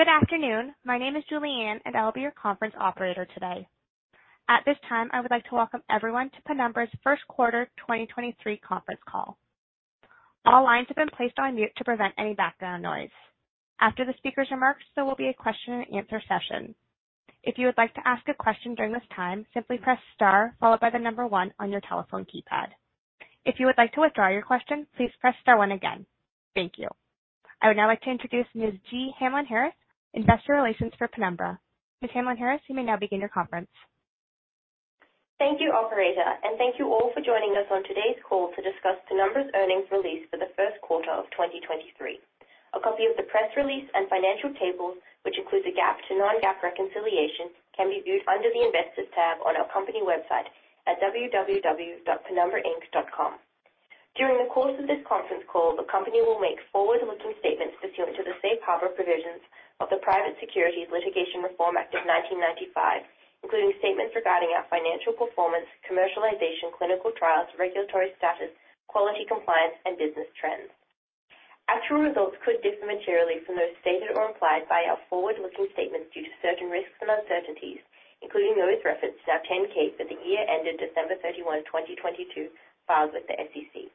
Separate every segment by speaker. Speaker 1: Good afternoon. My name is Julianne, I will be your conference operator today. At this time, I would like to welcome everyone to Penumbra's first quarter 2023 conference call. All lines have been placed on mute to prevent any background noise. After the speaker's remarks, there will be a question and answer session. If you would like to ask a question during this time, simply press star followed by the one on your telephone keypad. If you would like to withdraw your question, please press star one again. Thank you. I would now like to introduce Ms. Jee Hamlyn-Harris, investor relations for Penumbra. Ms. Hamlyn-Harris, you may now begin your conference.
Speaker 2: Thank you, operator. Thank you all for joining us on today's call to discuss Penumbra's earnings release for the first quarter of 2023. A copy of the press release and financial tables, which includes a GAAP to non-GAAP reconciliation, can be viewed under the Investors tab on our company website at www.penumbrainc.com. During the course of this conference call, the company will make forward-looking statements that deal to the safe harbor provisions of the Private Securities Litigation Reform Act of 1995, including statements regarding our financial performance, commercialization, clinical trials, regulatory status, quality, compliance, and business trends. Actual results could differ materially from those stated or implied by our forward-looking statements due to certain risks and uncertainties, including those referenced in our 10-K for the year ended December 31st, 2022, filed with the SEC.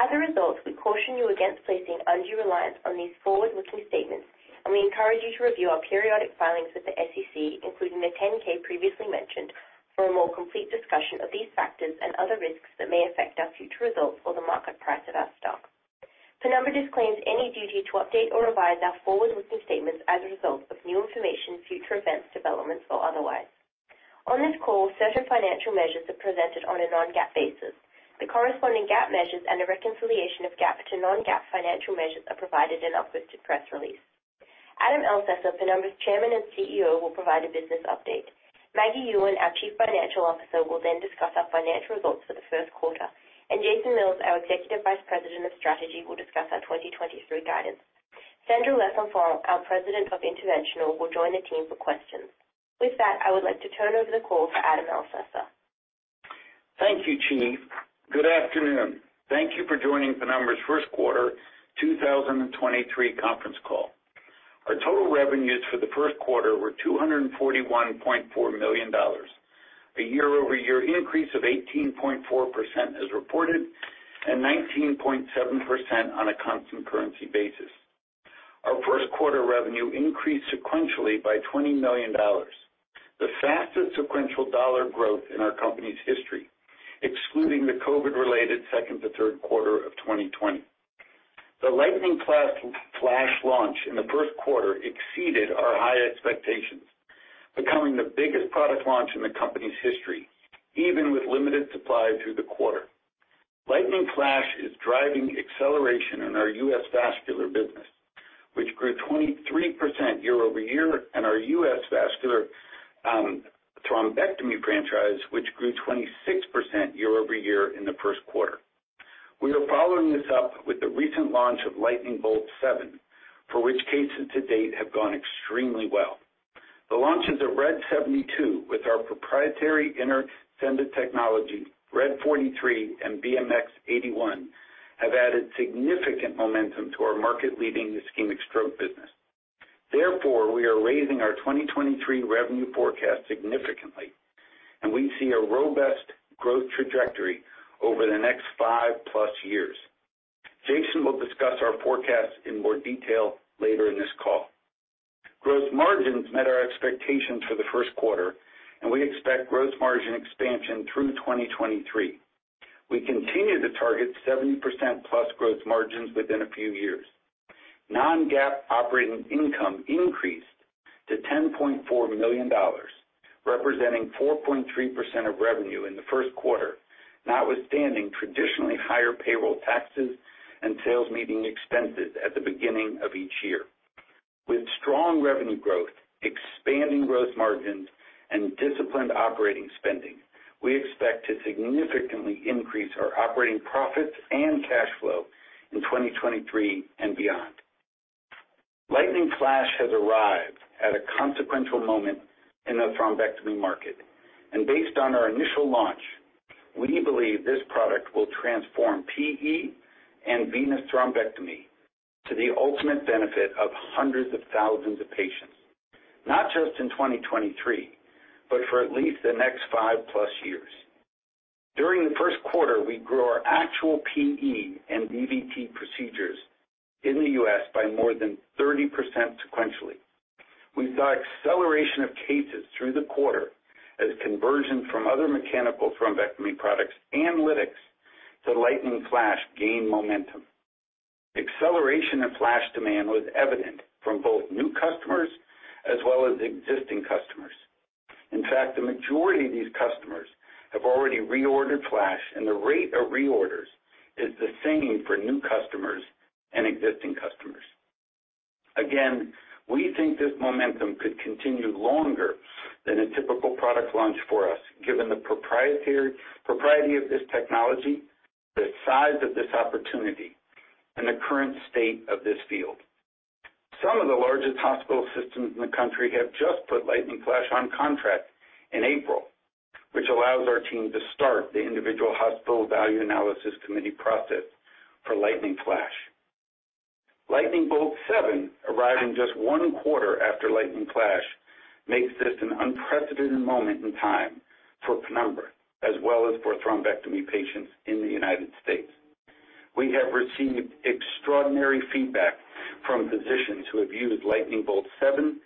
Speaker 2: As a result, we caution you against placing undue reliance on these forward-looking statements, and we encourage you to review our periodic filings with the SEC, including the 10-K previously mentioned, for a more complete discussion of these factors and other risks that may affect our future results or the market price of our stock. Penumbra disclaims any duty to update or revise our forward-looking statements as a result of new information, future events, developments, or otherwise. On this call, certain financial measures are presented on a non-GAAP basis. The corresponding GAAP measures and a reconciliation of GAAP to non-GAAP financial measures are provided in our posted press release. Adam Elsesser, Penumbra's Chairman and Chief Executive Officer, will provide a business update. Maggie Yuen, our Chief Financial Officer, will then discuss our financial results for the first quarter. Jason Mills, our Executive Vice President of Strategy, will discuss our 2023 guidance. Sandra Lesenfants, our President of Interventional, will join the team for questions. With that, I would like to turn over the call to Adam Elsesser.
Speaker 3: Thank you, Jee. Good afternoon. Thank you for joining Penumbra's first quarter 2023 conference call. Our total revenues for the first quarter were $241.4 million, a year-over-year increase of 18.4% as reported, and 19.7% on a constant currency basis. Our first quarter revenue increased sequentially by $20 million, the fastest sequential dollar growth in our company's history, excluding the COVID-related second to third quarter of 2020. The Lightning Flash launch in the first quarter exceeded our high expectations, becoming the biggest product launch in the company's history, even with limited supply through the quarter. Lightning Flash is driving acceleration in our US vascular business, which grew 23% year-over-year, and our US vascular thrombectomy franchise, which grew 26% year-over-year in the first quarter. We are following this up with the recent launch of Lightning Bolt 7, for which cases to date have gone extremely well. The launches of RED 72 with our proprietary inner SENDit Technology, RED 43, and BMX81 have added significant momentum to our market-leading ischemic stroke business. We are raising our 2023 revenue forecast significantly, and we see a robust growth trajectory over the next 5+ years. Jason will discuss our forecasts in more detail later in this call. Gross margins met our expectations for the first quarter, and we expect gross margin expansion through 2023. We continue to target 70%+ gross margins within a few years. Non-GAAP operating income increased to $10.4 million, representing 4.3% of revenue in the first quarter, notwithstanding traditionally higher payroll taxes and sales meeting expenses at the beginning of each year. With strong revenue growth, expanding growth margins, and disciplined operating spending, we expect to significantly increase our operating profits and cash flow in 2023 and beyond. Lightning Flash has arrived at a consequential moment in the thrombectomy market. Based on our initial launch, we believe this product will transform PE and venous thrombectomy to the ultimate benefit of hundreds of thousands of patients, not just in 2023, but for at least the next 5+ years. During the first quarter, we grew our actual PE and DVT procedures in the U.S. by more than 30% sequentially. We saw acceleration of cases through the quarter as conversion from other mechanical thrombectomy products and lytics to Lightning Flash gain momentum. Acceleration of Flash demand was evident from both new customers as well as existing customers. In fact, the majority of these customers have already reordered Flash, and the rate of reorders is the same for new customers and existing customers. Again, we think this momentum could continue longer than a typical product launch for us, given the propriety of this technology, the size of this opportunity, and the current state of this field. Some of the largest hospital systems in the country have just put Lightning Flash on contract in April. Which allows our team to start the individual hospital value analysis committee process for Lightning Flash. Lightning Bolt 7 arriving just one quarter after Lightning Flash makes this an unprecedented moment in time for Penumbra as well as for thrombectomy patients in the United States. We have received extraordinary feedback from physicians who have used Lightning Bolt 7,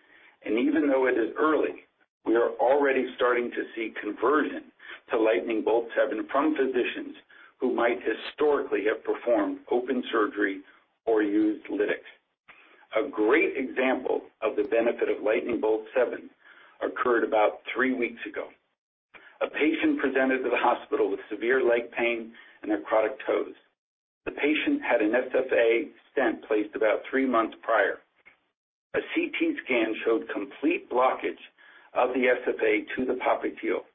Speaker 3: and even though it is early, we are already starting to see conversion to Lightning Bolt 7 from physicians who might historically have performed open surgery or used lytics. A great example of the benefit of Lightning Bolt 7 occurred about three weeks ago. A patient presented to the hospital with severe leg pain and necrotic toes. The patient had an SFA stent placed about three months prior. A CT scan showed complete blockage of the SFA to the popliteal.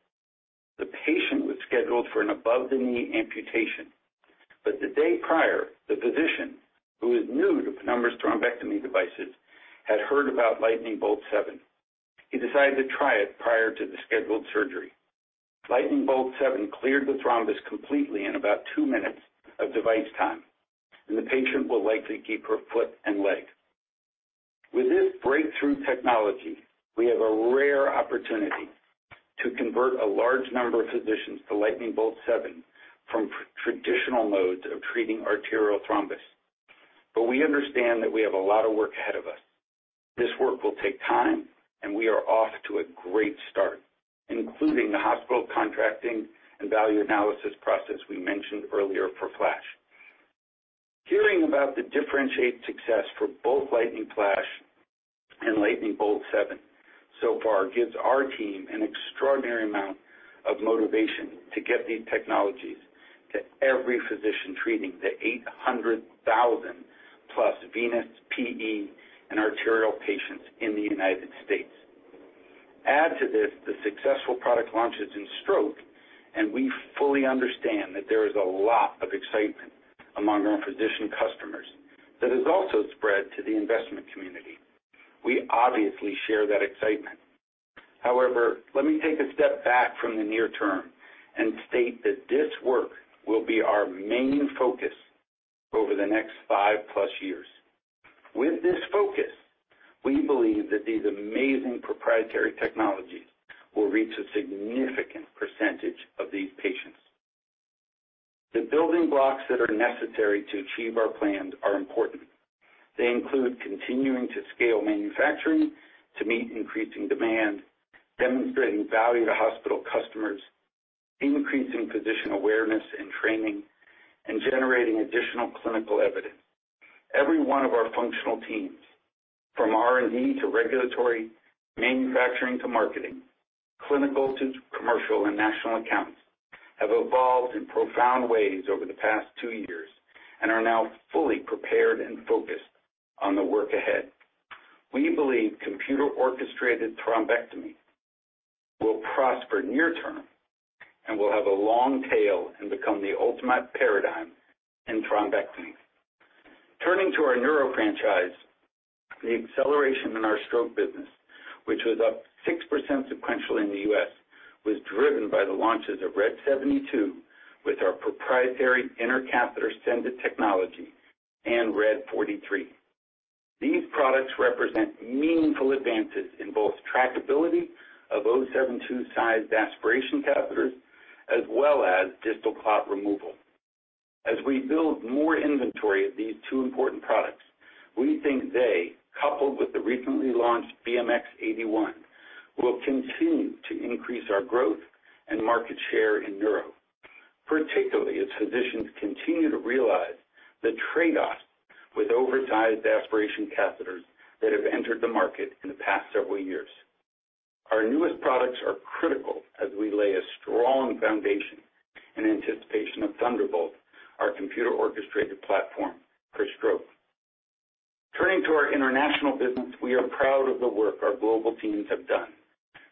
Speaker 3: The patient was scheduled for an above-the-knee amputation, but the day prior, the physician, who is new to Penumbra's thrombectomy devices, had heard about Lightning Bolt 7. He decided to try it prior to the scheduled surgery. Lightning Bolt 7 cleared the thrombus completely in about two minutes of device time, and the patient will likely keep her foot and leg. With this breakthrough technology, we have a rare opportunity to convert a large number of physicians to Lightning Bolt 7 from traditional modes of treating arterial thrombus. We understand that we have a lot of work ahead of us. This work will take time, and we are off to a great start, including the hospital contracting and value analysis process we mentioned earlier for Flash. Hearing about the differentiated success for both Lightning Flash and Lightning Bolt 7 so far gives our team an extraordinary amount of motivation to get these technologies to every physician treating the 800,000+ venous, PE, and arterial patients in the United States. To this the successful product launches in stroke, we fully understand that there is a lot of excitement among our physician customers that has also spread to the investment community. We obviously share that excitement. However, let me take a step back from the near term and state that this work will be our main focus over the next 5+ years. With this focus, we believe that these amazing proprietary technologies will reach a significant percentage of these patients. The building blocks that are necessary to achieve our plans are important. They include continuing to scale manufacturing to meet increasing demand, demonstrating value to hospital customers, increasing physician awareness and training, and generating additional clinical evidence. Every one of our functional teams, from R&D to regulatory, manufacturing to marketing, clinical to commercial and national accounts, have evolved in profound ways over the past two years and are now fully prepared and focused on the work ahead. We believe computer-orchestrated thrombectomy will prosper near term and will have a long tail and become the ultimate paradigm in thrombectomy. Turning to our neuro franchise, the acceleration in our stroke business, which was up 6% sequential in the U.S., was driven by the launches of RED 72 with our proprietary inner catheter SENDit Technology and RED 43. These products represent meaningful advances in both trackability of 0.72-sized aspiration catheters as well as distal clot removal. As we build more inventory of these two important products, we think they, coupled with the recently launched BMX81, will continue to increase our growth and market share in neuro, particularly as physicians continue to realize the trade-offs with oversized aspiration catheters that have entered the market in the past several years. Our newest products are critical as we lay a strong foundation in anticipation of Thunderbolt, our computer-orchestrated platform for stroke. Turning to our international business, we are proud of the work our global teams have done.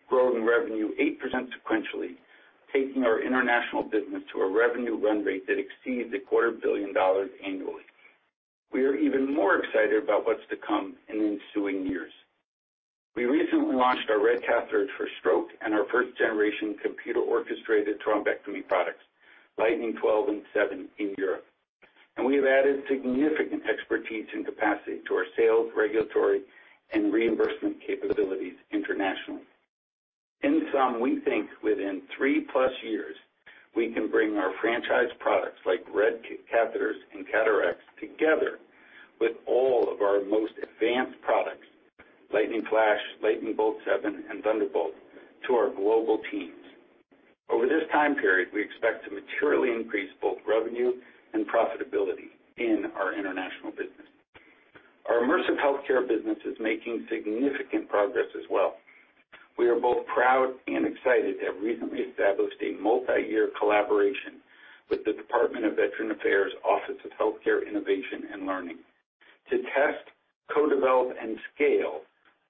Speaker 3: Growth in revenue 8% sequentially, taking our international business to a revenue run rate that exceeds a quarter billion dollars annually. We are even more excited about what's to come in ensuing years. We recently launched our RED catheters for stroke and our first generation computer-orchestrated thrombectomy products, Lightning 12 and seven, in Europe. We have added significant expertise and capacity to our sales, regulatory, and reimbursement capabilities internationally. In sum, we think within 3+ years, we can bring our franchise products, like RED catheters and CAT RX, together with all of our most advanced products, Lightning Flash, Lightning Bolt 7, and Thunderbolt, to our global teams. Over this time period, we expect to materially increase both revenue and profitability in our international business. Our immersive healthcare business is making significant progress as well. We are both proud and excited to have recently established a multi-year collaboration with the Department of Veterans Affairs Office of Healthcare Innovation and Learning to test, co-develop, and scale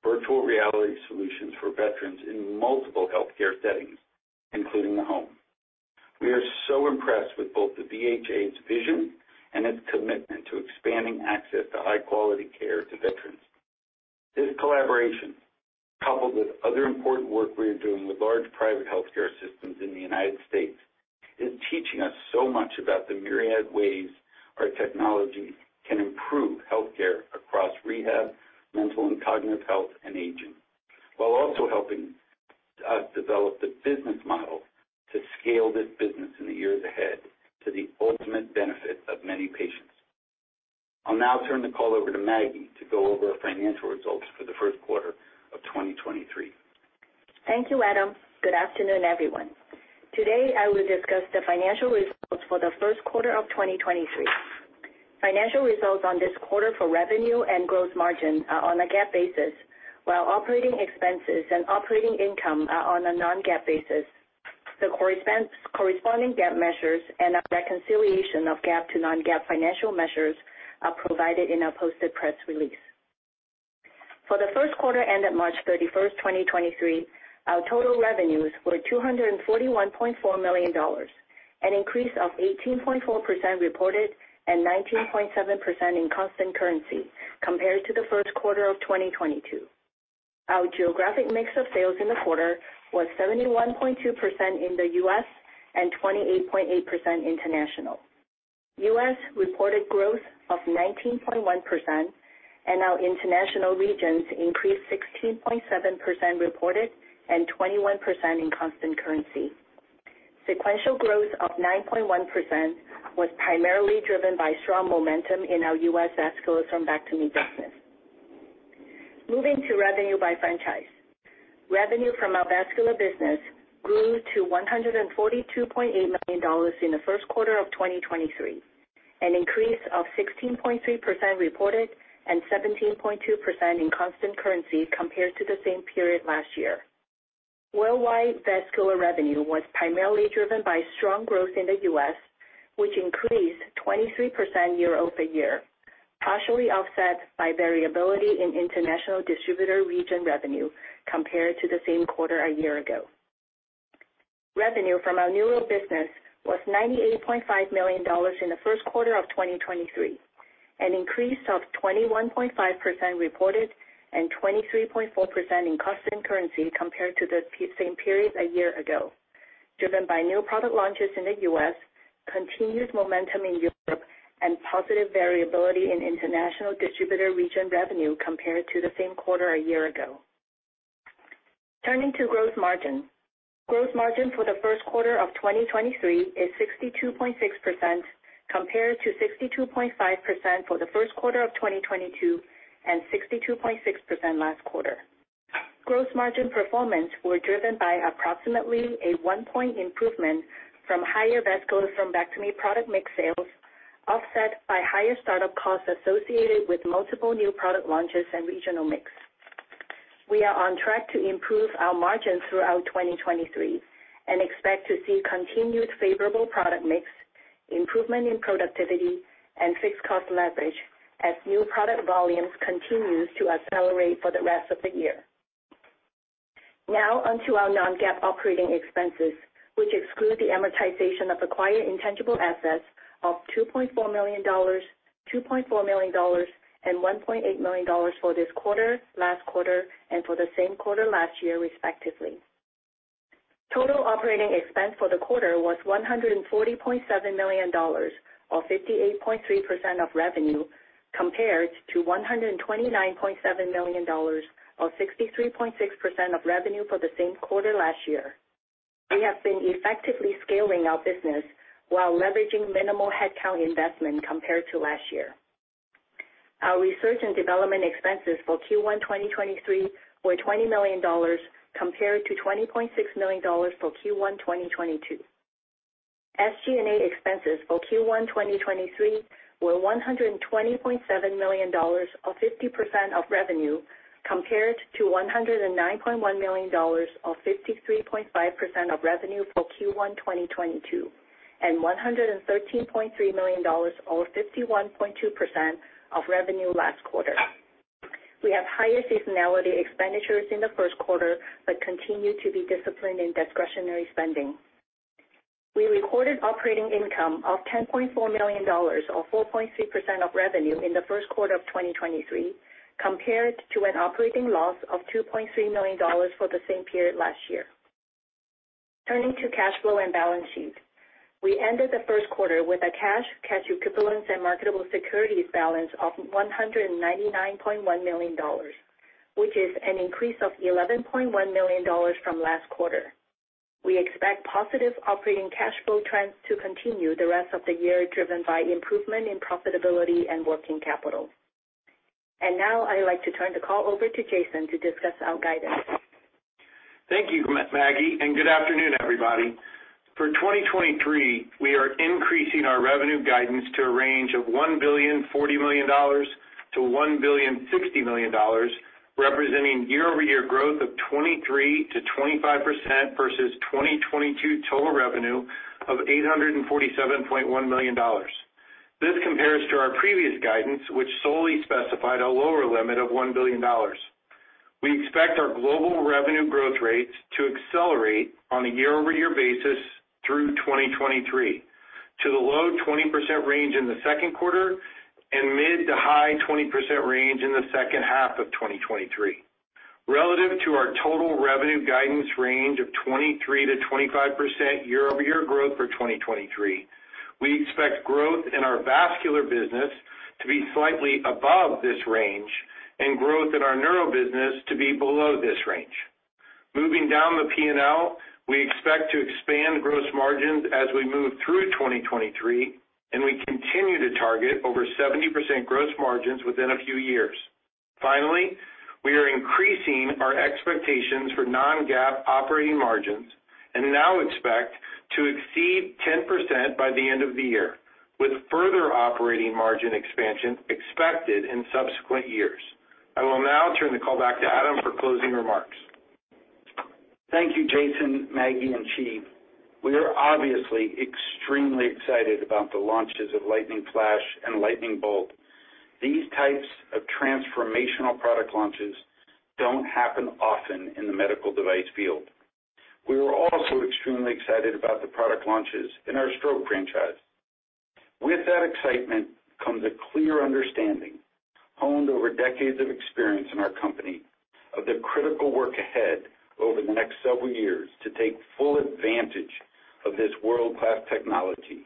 Speaker 3: virtual reality solutions for veterans in multiple healthcare settings, including the home. We are so impressed with both the VHA's vision and its commitment to expanding access to high-quality care to veterans. This collaboration, coupled with other important work we are doing with large private healthcare systems in the United States, is teaching us so much about the myriad ways our technology can improve healthcare across rehab, mental and cognitive health, and aging, while also helping us develop the business model to scale this business in the years ahead to the ultimate benefit of many patients. I'll now turn the call over to Maggie to go over our financial results for the first quarter of 2023.
Speaker 4: Thank you, Adam. Good afternoon, everyone. Today, I will discuss the financial results for the first quarter of 2023. Financial results on this quarter for revenue and gross margin are on a GAAP basis, while operating expenses and operating income are on a non-GAAP basis. The corresponding GAAP measures and a reconciliation of GAAP to non-GAAP financial measures are provided in our posted press release. For the first quarter ended March 31st, 2023, our total revenues were $241.4 million, an increase of 18.4% reported and 19.7% in constant currency compared to the first quarter of 2022. Our geographic mix of sales in the quarter was 71.2% in the U.S. and 28.8% international. U.S. reported growth of 19.1%, and our international regions increased 16.7% reported and 21% in constant currency. Sequential growth of 9.1% was primarily driven by strong momentum in our U.S. vascular thrombectomy business. Moving to revenue by franchise. Revenue from our vascular business grew to $142.8 million in the first quarter of 2023, an increase of 16.3% reported and 17.2% in constant currency compared to the same period last year. Worldwide vascular revenue was primarily driven by strong growth in the U.S., which increased 23% year-over-year, partially offset by variability in international distributor region revenue compared to the same quarter a year ago. Revenue from our neural business was $98.5 million in the first quarter of 2023, an increase of 21.5% reported and 23.4% in constant currency compared to the same period a year ago, driven by new product launches in the U.S., continuous momentum in Europe, and positive variability in international distributor region revenue compared to the same quarter a year ago. Turning to gross margin. Gross margin for the first quarter of 2023 is 62.6% compared to 62.5% for the first quarter of 2022 and 62.6% last quarter. Gross margin performance were driven by approximately a one-point improvement from higher vascular thrombectomy product mix sales offset by higher startup costs associated with multiple new product launches and regional mix. We are on track to improve our margins throughout 2023 and expect to see continued favorable product mix, improvement in productivity, and fixed cost leverage as new product volumes continues to accelerate for the rest of the year. Now onto our non-GAAP operating expenses, which exclude the amortization of acquired intangible assets of $2.4 million, $2.4 million, and $1.8 million for this quarter, last quarter, and for the same quarter last year, respectively. Total operating expense for the quarter was $140.7 million, or 58.3% of revenue, compared to $129.7 million or 63.6% of revenue for the same quarter last year. We have been effectively scaling our business while leveraging minimal headcount investment compared to last year. Our research and development expenses for Q1 2023 were $20 million compared to $20.6 million for Q1 2022. SG&A expenses for Q1 2023 were $120.7 million or 50% of revenue compared to $109.1 million or 53.5% of revenue for Q1 2022, and $113.3 million or 51.2% of revenue last quarter. We have higher seasonality expenditures in the first quarter but continue to be disciplined in discretionary spending. We recorded operating income of $10.4 million or 4.3% of revenue in the first quarter of 2023 compared to an operating loss of $2.3 million for the same period last year. Turning to cash flow and balance sheet. We ended the first quarter with a cash equivalents, and marketable securities balance of $199.1 million, which is an increase of $11.1 million from last quarter. We expect positive operating cash flow trends to continue the rest of the year, driven by improvement in profitability and working capital. Now I'd like to turn the call over to Jason to discuss our guidance.
Speaker 5: Thank you, Maggie, Good afternoon, everybody. For 2023, we are increasing our revenue guidance to a range of $1.04 billion-$1.06 billion, representing year-over-year growth of 23%-25% versus 2022 total revenue of $847.1 million. This compares to our previous guidance, which solely specified a lower limit of $1 billion. We expect our global revenue growth rates to accelerate on a year-over-year basis through 2023 to the low 20% range in the second quarter and mid to high 20% range in the second half of 2023. Relative to our total revenue guidance range of 23%-25% year-over-year growth for 2023, we expect growth in our vascular business to be slightly above this range and growth in our neuro business to be below this range. Moving down the P&L, we expect to expand gross margins as we move through 2023. We continue to target over 70% gross margins within a few years. We are increasing our expectations for non-GAAP operating margins and now expect to exceed 10% by the end of the year, with further operating margin expansion expected in subsequent years. I will now turn the call back to Adam for closing remarks.
Speaker 3: Thank you, Jason, Maggie, and Chief. We are obviously extremely excited about the launches of Lightning Flash and Lightning Bolt. These types of transformational product launches don't happen often in the medical device field. We are also extremely excited about the product launches in our stroke franchise. With that excitement comes a clear understanding, honed over decades of experience in our company, of the critical work ahead over the next several years to take full advantage of this world-class technology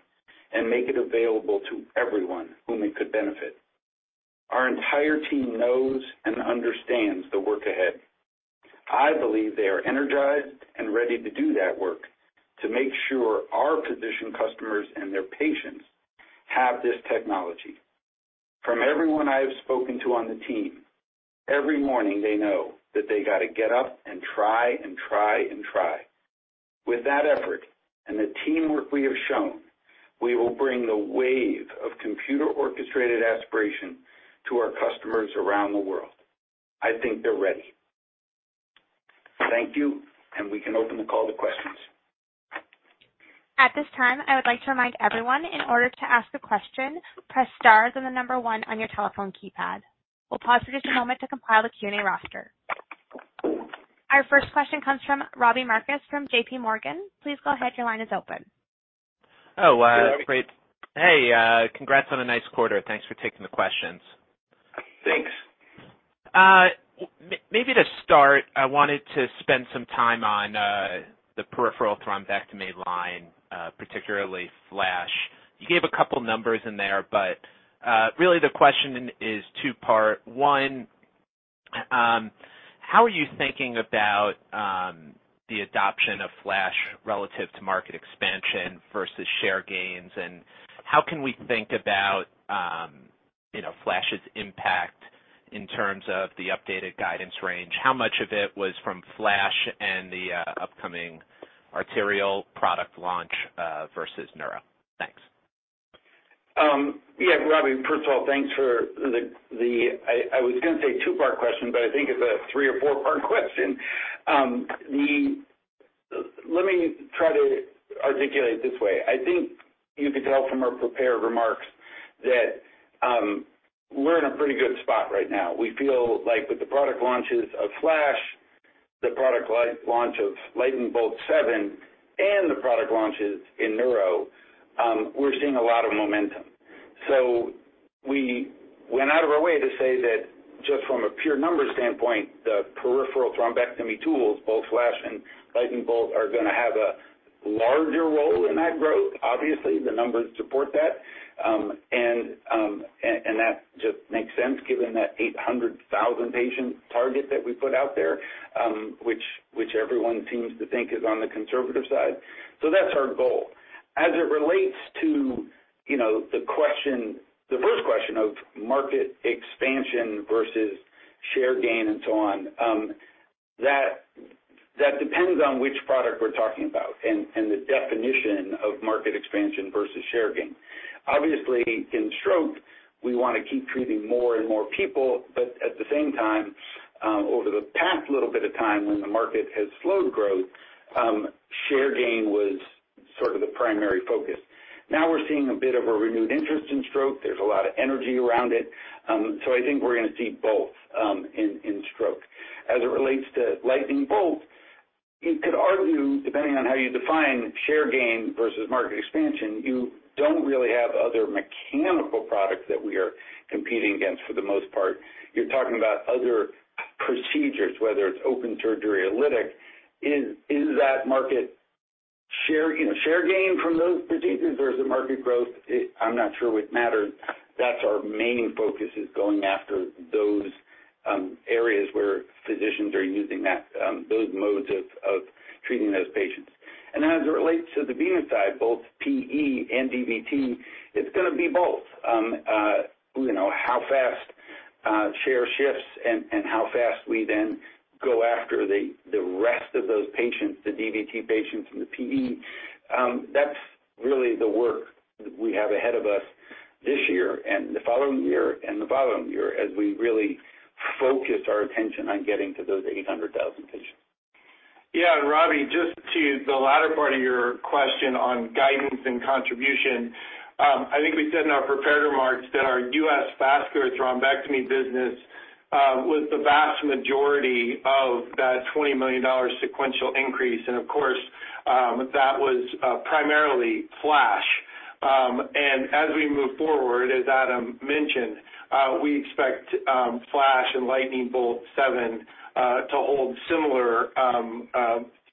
Speaker 3: and make it available to everyone whom it could benefit. Our entire team knows and understands the work ahead. I believe they are energized and ready to do that work to make sure our physician customers and their patients have this technology. From everyone I have spoken to on the team, every morning they know that they got to get up and try and try and try. With that effort and the teamwork we have shown, we will bring the wave of computer-orchestrated aspiration to our customers around the world. I think they're ready. Thank you, and we can open the call to questions.
Speaker 1: At this time, I would like to remind everyone, in order to ask a question, press star, then the number one on your telephone keypad. We'll pause for just a moment to compile the Q&A roster. Our first question comes from Robbie Marcus from JPMorgan. Please go ahead. Your line is open.
Speaker 6: Oh, great. Hey, congrats on a nice quarter. Thanks for taking the questions.
Speaker 3: Thanks.
Speaker 6: Maybe to start, I wanted to spend some time on the peripheral thrombectomy line, particularly FLASH. You gave a couple numbers in there, but really the question is two-part. One, how are you thinking about the adoption of FLASH relative to market expansion versus share gains, and how can we think about, you know, FLASH's impact in terms of the updated guidance range? How much of it was from FLASH and the upcoming arterial product launch versus neuro? Thanks.
Speaker 3: Yeah. Robbie, first of all, thanks for the I was gonna say two-part question, but I think it's a three or four-part question. Let me try to articulate this way. I think you could tell from our prepared remarks that we're in a pretty good spot right now. We feel like with the product launches of FLASH, the product launch of Lightning Bolt 7, and the product launches in neuro, we're seeing a lot of momentum. We went out of our way to say that just from a pure numbers standpoint, the peripheral thrombectomy tools, both FLASH and Lightning Bolt, are gonna have a larger role in that growth. Obviously, the numbers support that. That just makes sense given that 800,000 patient target that we put out there, which everyone seems to think is on the conservative side. That's our goal. As it relates to, you know, the question, the first question of market expansion versus share gain and so on, that depends on which product we're talking about and the definition of market expansion versus share gain. Obviously, in stroke, we wanna keep treating more and more people, but at the same time, over the past little bit of time when the market has slowed growth, share gain was sort of the primary focus. Now we're seeing a bit of a renewed interest in stroke. There's a lot of energy around it. I think we're gonna see both, in stroke. As it relates to Lightning Bolt, you could argue, depending on how you define share gain versus market expansion, you don't really have other mechanical products that we are competing against for the most part. You're talking about other procedures, whether it's open surgery or lytic. Is that market share, you know, share gain from those procedures or is it market growth? I'm not sure it matters. That's our main focus is going after those areas where physicians are using that those modes of treating those patients. As it relates to the venous side, both PE and DVT, it's gonna be both. You know, how fast share shifts and how fast we then go after the rest of those patients, the DVT patients and the PE. That's really the work we have ahead of us this year and the following year and the following year as we really focus our attention on getting to those 800,000 patients.
Speaker 5: Yeah, Robbie, just to the latter part of your question on guidance and contribution. I think we said in our prepared remarks that our U.S. vascular thrombectomy business was the vast majority of that $20 million sequential increase. Of course, that was primarily FLASH. As we move forward, as Adam mentioned, we expect FLASH and Lightning Bolt 7 to hold similar,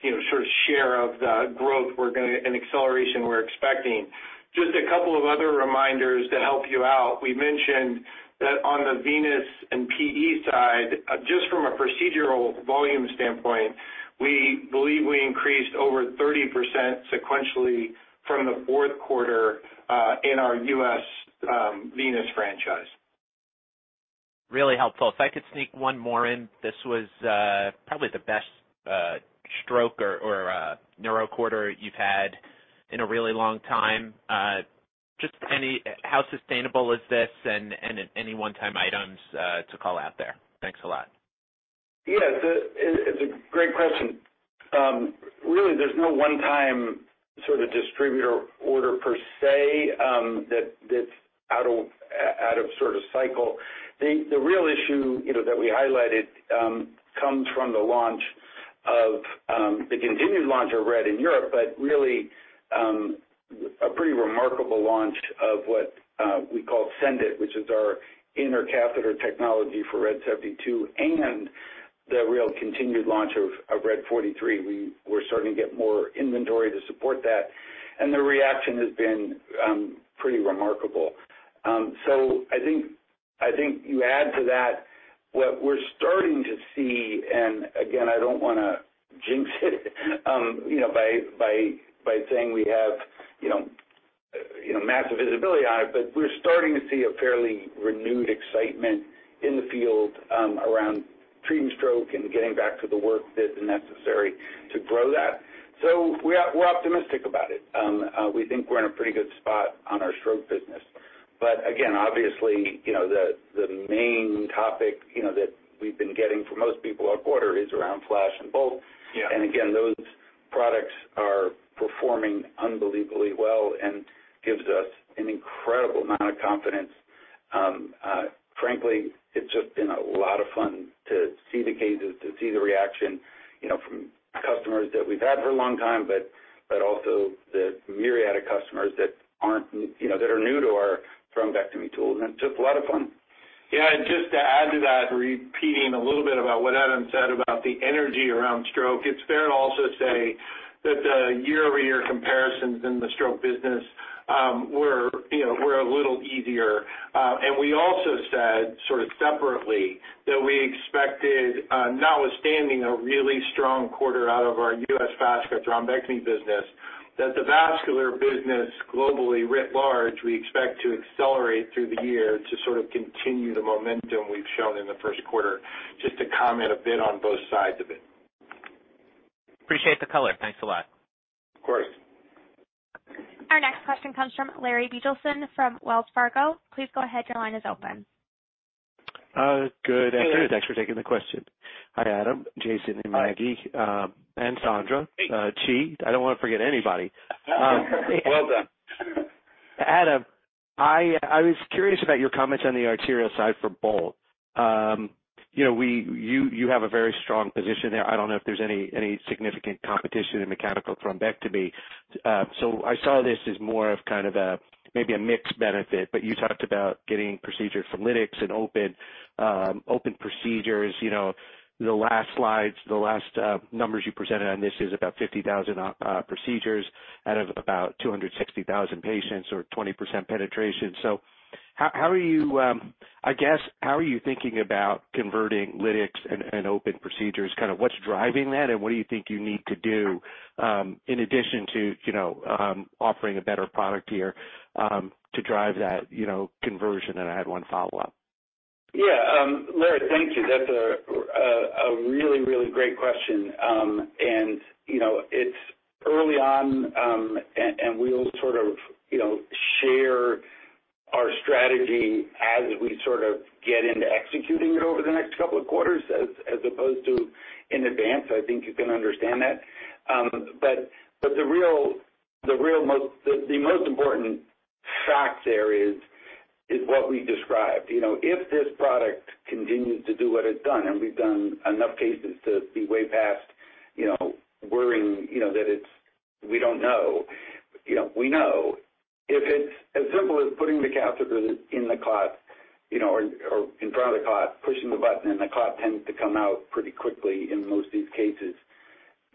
Speaker 5: you know, sort of share of the growth and acceleration we're expecting. Just a couple of other reminders to help you out. We mentioned that on the Venus and PE side, just from a procedural volume standpoint, we believe we increased over 30% sequentially from the fourth quarter in our U.S. Venus franchise.
Speaker 6: Really helpful. If I could sneak one more in. This was probably the best stroke or neuro quarter you've had in a really long time. Just how sustainable is this? And any one-time items to call out there. Thanks a lot.
Speaker 3: Yeah. It's a great question. Really, there's no one time sort of distributor order per se, that's out of sort of cycle. The real issue, you know, that we highlighted, comes from the launch of the continued launch of RED in Europe, but really, a pretty remarkable launch of what we call SENDit, which is our inner catheter technology for RED 72 and the real continued launch of RED 43. We're starting to get more inventory to support that, and the reaction has been pretty remarkable. I think, I think you add to that what we're starting to see, and again, I don't wanna jinx it, you know, by saying we have, you know, massive visibility on it, but we're starting to see a fairly renewed excitement in the field, around treating stroke and getting back to the work that's necessary to grow that. We're optimistic about it. We think we're in a pretty good spot on our stroke business. Again, obviously, you know, the main topic, you know, that we've been getting from most people our quarter is around FLASH and Bolt.
Speaker 5: Yeah.
Speaker 3: Again, those products are performing unbelievably well and gives us an incredible amount of confidence. Frankly, it's just been a lot of fun to see the cases, to see the reaction, you know, from customers that we've had for a long time, but also the myriad of customers that aren't, you know, that are new to our thrombectomy tools. It's just a lot of fun.
Speaker 5: Yeah. Just to add to that, repeating a little bit about what Adam said about the energy around stroke, it's fair to also say that the year-over-year comparisons in the stroke business were, you know, were a little easier. We also said sort of separately that we expected, notwithstanding a really strong quarter out of our U.S. vascular thrombectomy business, that the vascular business globally writ large, we expect to accelerate through the year to sort of continue the momentum we've shown in the first quarter. Just to comment a bit on both sides of it.
Speaker 6: Appreciate the color. Thanks a lot.
Speaker 5: Of course.
Speaker 1: Our next question comes from Larry Biegelsen from Wells Fargo. Please go ahead. Your line is open. Good afternoon.
Speaker 5: Good afternoon.
Speaker 7: Thanks for taking the question. Hi, Adam, Jason-
Speaker 5: Hi.
Speaker 7: Maggie, and Sandra.
Speaker 5: Hey.
Speaker 7: Jee. I don't wanna forget anybody.
Speaker 5: Well done.
Speaker 7: Adam, I was curious about your comments on the arterial side for Bolt. You know, you have a very strong position there. I don't know if there's any significant competition in mechanical thrombectomy. I saw this as more of kind of a, maybe a mixed benefit, but you talked about getting procedures from lytics and open procedures. You know, the last slides, the last numbers you presented on this is about 50,000 procedures out of about 260,000 patients or 20% penetration. How are you, I guess, how are you thinking about converting lytics and open procedures? Kinda what's driving that, and what do you think you need to do, in addition to, you know, offering a better product here, to drive that, you know, conversion? I had one follow-up.
Speaker 3: Yeah. Larry, thank you. That's a really, really great question. You know, it's early on, we'll sort of, you know, share our strategy as we sort of get into executing it over the next couple of quarters as opposed to in advance. I think you can understand that. The real most. The most important fact there is what we described. You know, if this product continues to do what it's done, and we've done enough cases to be way past, you know, worrying, you know, that it's, we don't know. You know, we know. If it's as simple as putting the catheter in the clot, you know, or in front of the clot, pushing the button, and the clot tends to come out pretty quickly in most of these cases,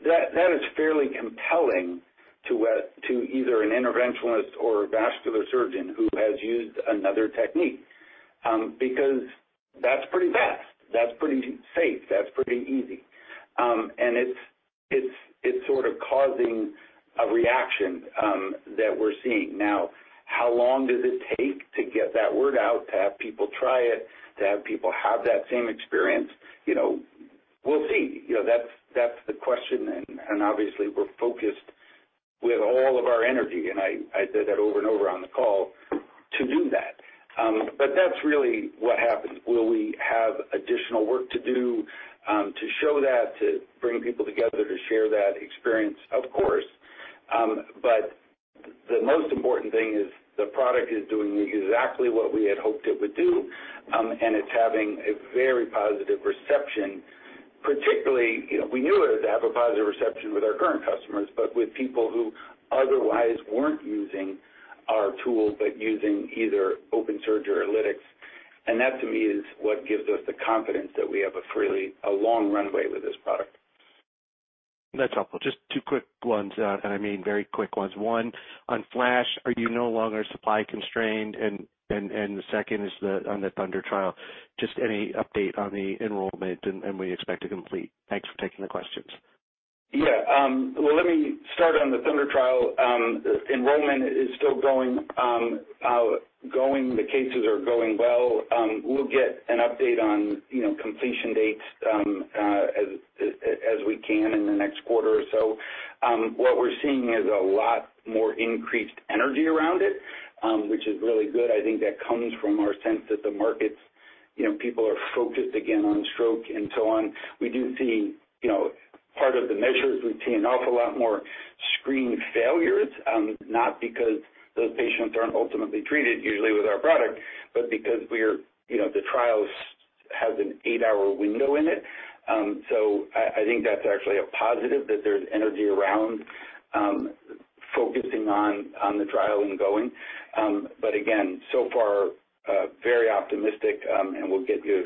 Speaker 3: that is fairly compelling to either an interventionalist or a vascular surgeon who has used another technique. That's pretty fast, that's pretty safe, that's pretty easy. It's sort of causing a reaction that we're seeing. Now, how long does it take to get that word out, to have people try it, to have people have that same experience? You know, we'll see. You know, that's the question. Obviously we're focused with all of our energy, and I said that over and over on the call to do that. That's really what happens. Will we have additional work to do, to show that, to bring people together, to share that experience? Of course. But the most important thing is the product is doing exactly what we had hoped it would do, and it's having a very positive reception, particularly, you know, we knew it would have a positive reception with our current customers, but with people who otherwise weren't using our tool, but using either open surgery or lytics. That to me is what gives us the confidence that we have a fairly a long runway with this product.
Speaker 7: That's helpful. Just two quick ones, and I mean very quick ones. One, on Flash, are you no longer supply constrained? The second is on the THUNDER trial, just any update on the enrollment and when you expect to complete. Thanks for taking the questions.
Speaker 3: Yeah. Well, let me start on the THUNDER trial. Enrollment is still going. The cases are going well. We'll get an update on, you know, completion dates, as we can in the next quarter or so. What we're seeing is a lot more increased energy around it, which is really good. I think that comes from our sense that the markets, you know, people are focused again on stroke and so on. We do see, you know, part of the measures, we see an awful lot more screen failures, not because those patients aren't ultimately treated usually with our product, but because we're, you know, the trial has an eight-hour window in it. I think that's actually a positive that there's energy around focusing on the trial and going. Again, so far, very optimistic, we'll get you more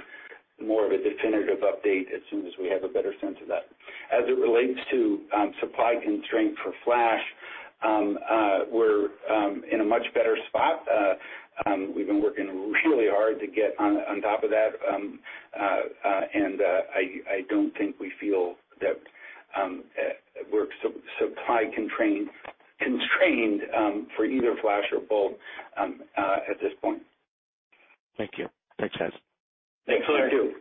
Speaker 3: of a definitive update as soon as we have a better sense of that. As it relates to supply constraint for Flash, we're in a much better spot. We've been working really hard to get on top of that. I don't think we feel that we're supply constrained for either Flash or both at this point.
Speaker 7: Thank you. Thanks, guys.
Speaker 3: Thanks, Larry.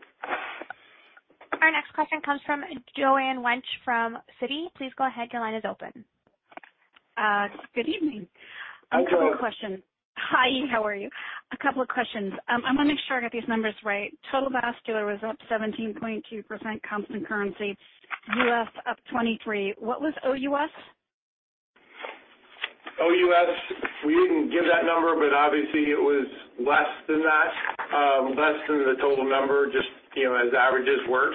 Speaker 1: Our next question comes from Joanne Wuensch from Citi. Please go ahead, your line is open.
Speaker 8: Good evening.
Speaker 3: Hi, Joanne.
Speaker 8: A couple of questions. Hi, how are you? A couple of questions. I wanna make sure I got these numbers right. Total vascular was up 17.2% constant currency, US up 23%. What was OUS?
Speaker 3: OUS, we didn't give that number, but obviously it was less than that, less than the total number, just, you know, as averages work.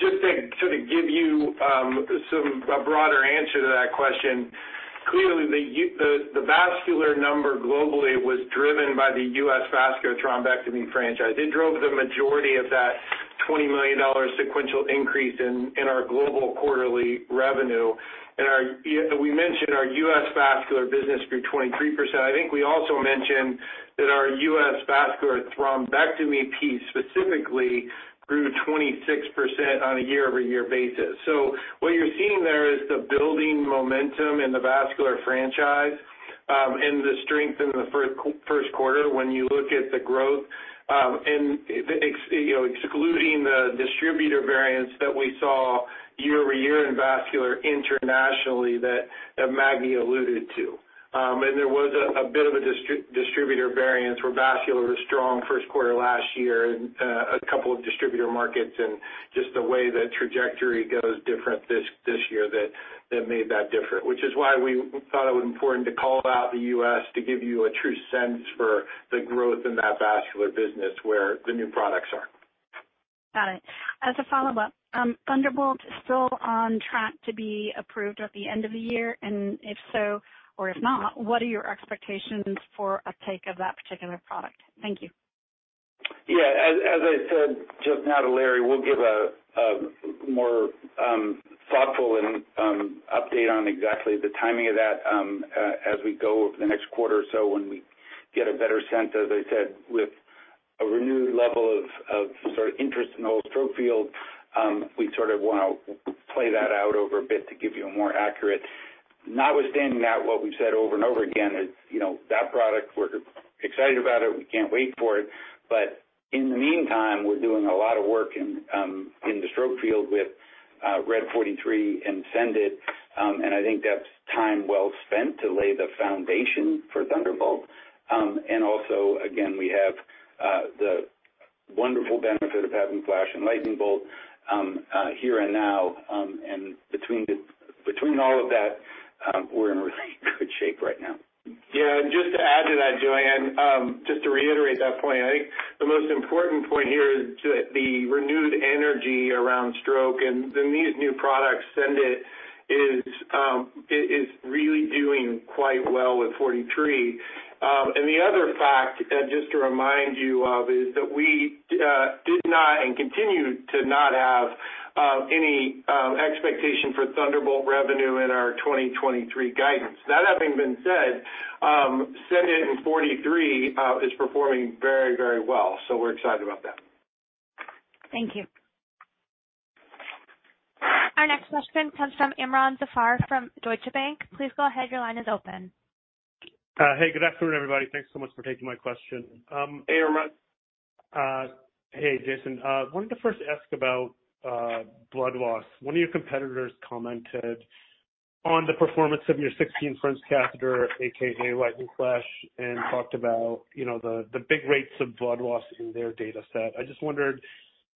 Speaker 3: Just to sort of give you a broader answer to that question, clearly the vascular number globally was driven by the US vascular thrombectomy franchise. It drove the majority of that $20 million sequential increase in our global quarterly revenue. We mentioned our US vascular business grew 23%. I think we also mentioned that our US vascular thrombectomy piece specifically grew 26% on a year-over-year basis. What you're seeing there is the building momentum in the vascular franchise, and the strength in the first quarter when you look at the growth, you know, excluding the distributor variance that we saw year-over-year in vascular internationally that Maggie alluded to. There was a bit of a distributor variance where vascular was strong first quarter last year in a couple of distributor markets and just the way the trajectory goes different this year that made that different. Why we thought it was important to call out the U.S. to give you a true sense for the growth in that vascular business where the new products are.
Speaker 8: Got it. As a follow-up, Thunderbolt still on track to be approved at the end of the year? If so or if not, what are your expectations for uptake of that particular product? Thank you.
Speaker 3: Yeah. As I said just now to Larry, we'll give a more thoughtful and update on exactly the timing of that as we go over the next quarter or so when we get a better sense, as I said, with a renewed level of sort of interest in the whole stroke field, we sort of wanna play that out over a bit to give you a more accurate. Notwithstanding that, what we've said over and over again is, you know, that product, we're excited about it, we can't wait for it. In the meantime, we're doing a lot of work in the stroke field with RED 43 and SENDit, and I think that's time well spent to lay the foundation for Thunderbolt. Also again, we have the wonderful benefit of having Flash and Lightning Bolt here and now, and between all of that, we're in really good shape right now.
Speaker 5: Yeah. Just to add to that, Joanne Wuensch, just to reiterate that point, I think the most important point here is that the renewed energy around stroke and these new products, SENDit is, it is really doing quite well with RED 43. The other fact, just to remind you of, is that we did not and continue to not have any expectation for Thunderbolt revenue in our 2023 guidance. That having been said, SENDit and RED 43 is performing very, very well, so we're excited about that.
Speaker 8: Thank you.
Speaker 1: Our next question comes from Imron Zafar from Deutsche Bank. Please go ahead, your line is open.
Speaker 9: Hey, good afternoon, everybody. Thanks so much for taking my question.
Speaker 3: Hey, Araman.
Speaker 9: Hey, Jason. Wanted to first ask about blood loss. One of your competitors commented on the performance of your 16 French catheter, AKA Lightning Flash, and talked about, you know, the big rates of blood loss in their data set. I just wondered,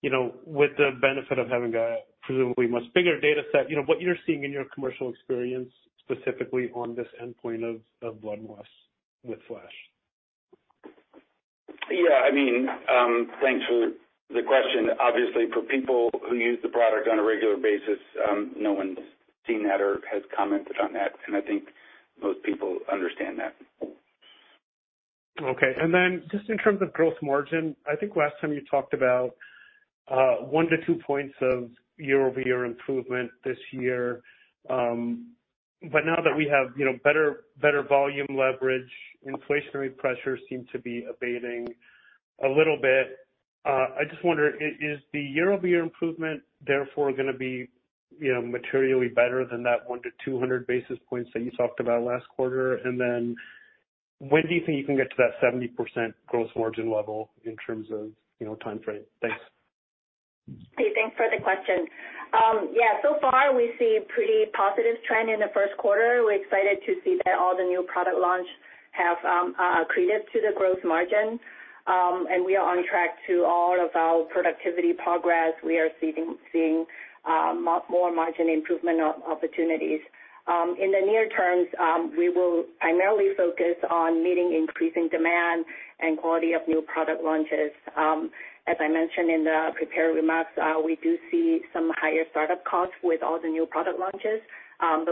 Speaker 9: you know, with the benefit of having a presumably much bigger data set, you know, what you're seeing in your commercial experience specifically on this endpoint of blood loss with Flash.
Speaker 3: I mean, thanks for the question. Obviously, for people who use the product on a regular basis, no one's seen that or has commented on that, and I think most people understand that.
Speaker 9: Okay. Just in terms of gross margin, I think last time you talked about 1 points-2 points of year-over-year improvement this year. Now that we have, you know, better volume leverage, inflationary pressures seem to be abating a little bit, I just wonder, is the year-over-year improvement therefore gonna be, you know, materially better than that 100 basis points-200 basis points that you talked about last quarter? When do you think you can get to that 70% gross margin level in terms of, you know, timeframe? Thanks.
Speaker 4: Thanks for the question. So far we see a pretty positive trend in the first quarter. We're excited to see that all the new product launch have accreted to the growth margin. We are on track to all of our productivity progress. We are seeing more margin improvement opportunities. In the near terms, we will primarily focus on meeting increasing demand and quality of new product launches. As I mentioned in the prepared remarks, we do see some higher startup costs with all the new product launches,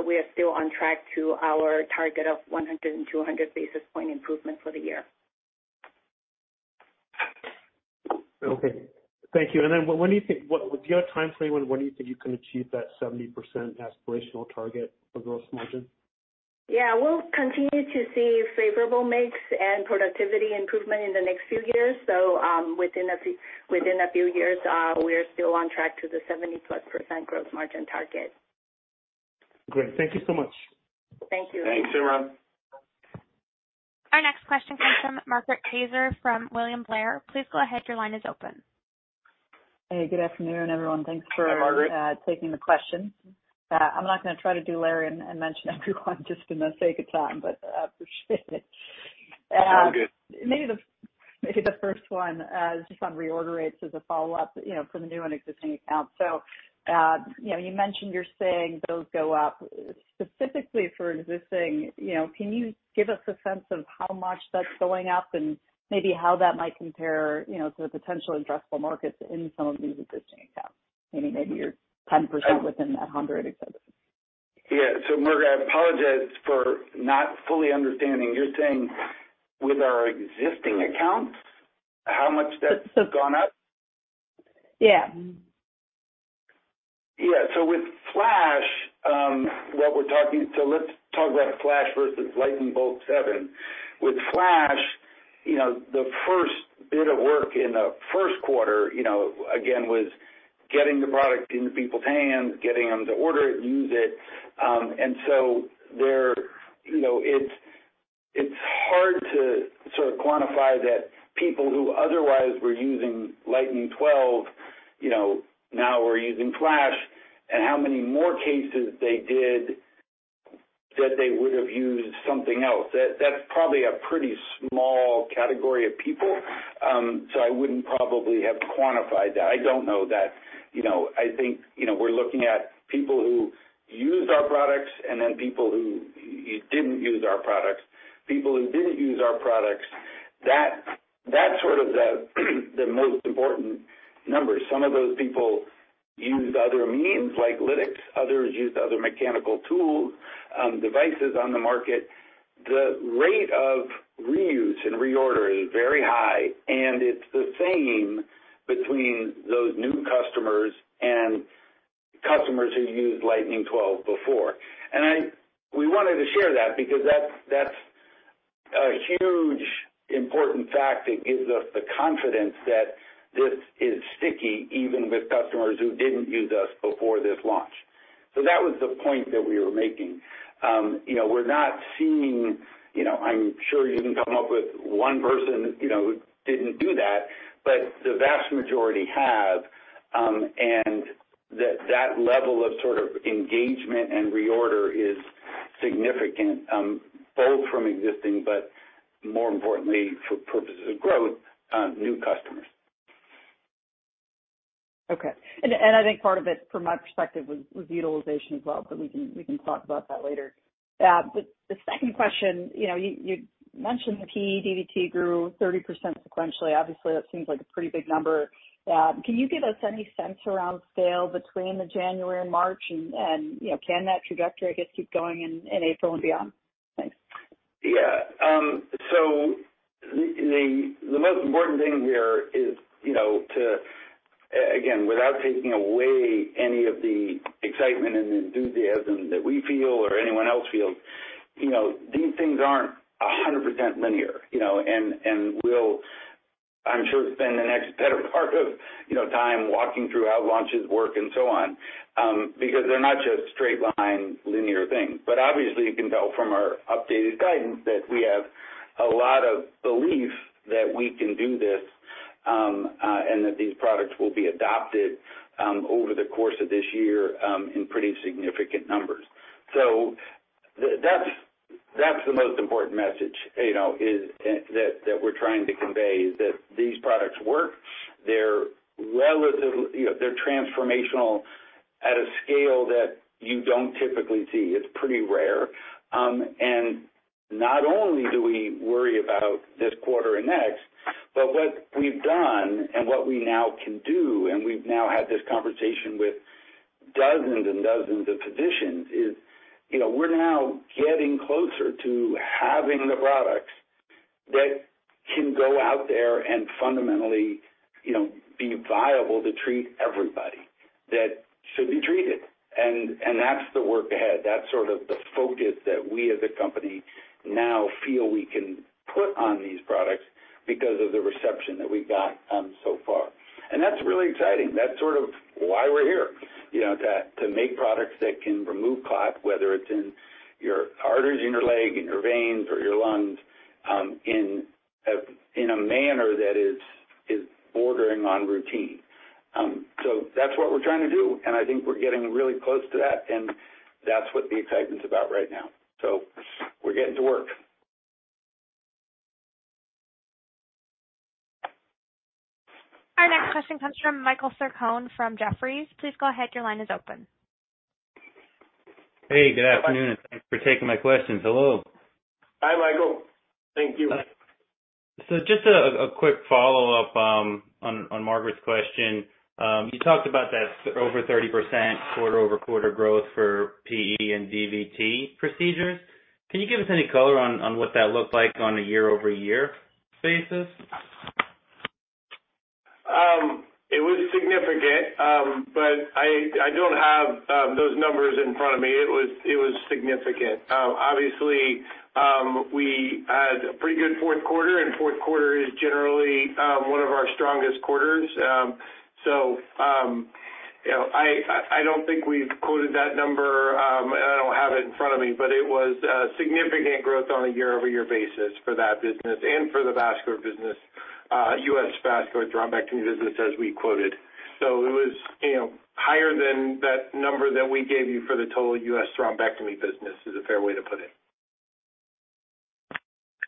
Speaker 4: we are still on track to our target of 100 basis points-200 basis point improvement for the year.
Speaker 9: Okay. Thank you. do you have a timeframe on when do you think you can achieve that 70% aspirational target for gross margin?
Speaker 4: Yeah. We'll continue to see favorable mix and productivity improvement in the next few years. Within a few years, we're still on track to the 70%+ gross margin target.
Speaker 9: Great. Thank you so much.
Speaker 4: Thank you.
Speaker 3: Thanks, Aram.
Speaker 1: Our next question comes from Margaret Kaczor from William Blair. Please go ahead. Your line is open.
Speaker 10: Hey, good afternoon, everyone.
Speaker 3: Hi, Margaret.
Speaker 10: taking the questions. I'm not gonna try to do Larry and mention everyone just for the sake of time. I appreciate it.
Speaker 3: It's all good.
Speaker 10: Maybe the first one is just on reorder rates as a follow-up, you know, for the new and existing accounts? You know, you mentioned you're seeing those go up. Specifically for existing, you know, can you give us a sense of how much that's going up and maybe how that might compare, you know, to the potential addressable markets in some of these existing accounts? Maybe your 10% within that 100, et cetera.
Speaker 3: Yeah. Margaret, I apologize for not fully understanding. You're saying with our existing accounts, how much that's gone up?
Speaker 10: Yeah.
Speaker 3: Yeah. With Flash, let's talk about Flash versus Lightning Bolt 7. With Flash, you know, the first bit of work in the first quarter, you know, again, was getting the product into people's hands, getting them to order it and use it. There, you know, it's hard to sort of quantify that people who otherwise were using Lightning 12, you know, now are using Flash and how many more cases they did that they would have used something else. That's probably a pretty small category of people, I wouldn't probably have quantified that. I don't know that. I think, you know, we're looking at people who used our products and then people who didn't use our products. People who didn't use our products, that's sort of the most important number. Some of those people used other means, like lytics. Others used other mechanical tools, devices on the market. The rate of reuse and reordering is very high, and it's the same between those new customers and customers who used Lightning 12 before. We wanted to share that because that's a huge important fact that gives us the confidence that this is sticky even with customers who didn't use us before this launch. That was the point that we were making. You know, we're not seeing. You know, I'm sure you can come up with one person, you know, who didn't do that, but the vast majority have, and that level of sort of engagement and reorder is significant, both from existing, but more importantly for purposes of growth, new customers.
Speaker 10: Okay. I think part of it from my perspective was utilization as well, but we can talk about that later. The second question, you know, you mentioned the PEDVT grew 30% sequentially. Obviously, that seems like a pretty big number. Can you give us any sense around scale between the January and March and, you know, can that trajectory, I guess, keep going in April and beyond? Thanks.
Speaker 3: Yeah. The, the most important thing here is, you know, to, again, without taking away any of the excitement and enthusiasm that we feel or anyone else feels, you know, these things aren't 100% linear, you know? We'll I'm sure spend the next better part of, you know, time walking through how launches work and so on, because they're not just straight line linear things. Obviously, you can tell from our updated guidance that we have a lot of belief that we can do this, and that these products will be adopted over the course of this year in pretty significant numbers. That's the most important message, you know, that we're trying to convey is that these products work. They're relatively... You know, they're transformational at a scale that you don't typically see. It's pretty rare. Not only do we worry about this quarter and next, but what we've done and what we now can do, and we've now had this conversation with dozens and dozens of physicians, you know, we're now getting closer to having the products that can go out there and fundamentally, you know, be viable to treat everybody that should be treated. That's the work ahead. That's sort of the focus that we as a company now feel we can put on these products because of the reception that we've got so far. That's really exciting. That's sort of why we're here, you know, to make products that can remove clot, whether it's in your arteries in your leg, in your veins or your lungs, in a manner that is bordering on routine. That's what we're trying to do, and I think we're getting really close to that, and that's what the excitement's about right now. We're getting to work.
Speaker 1: Our next question comes from Michael Sarcone from Jefferies. Please go ahead. Your line is open.
Speaker 11: Hey, good afternoon.
Speaker 3: Hi, Michael.
Speaker 11: Thanks for taking my questions. Hello.
Speaker 3: Hi, Michael. Thank you.
Speaker 11: Just a quick follow-up, on Margaret's question. You talked about that over 30% quarter-over-quarter growth for PE and DVT procedures. Can you give us any color on what that looked like on a year-over-year basis?
Speaker 3: It was significant, but I don't have those numbers in front of me. It was significant. Obviously, we had a pretty good fourth quarter, and fourth quarter is generally one of our strongest quarters. You know, I don't think we've quoted that number, and I don't have it in front of me, but it was a significant growth on a year-over-year basis for that business and for the vascular business, U.S. vascular thrombectomy business as we quoted. It was, you know, higher than that number that we gave you for the total U.S. thrombectomy business is a fair way to put it.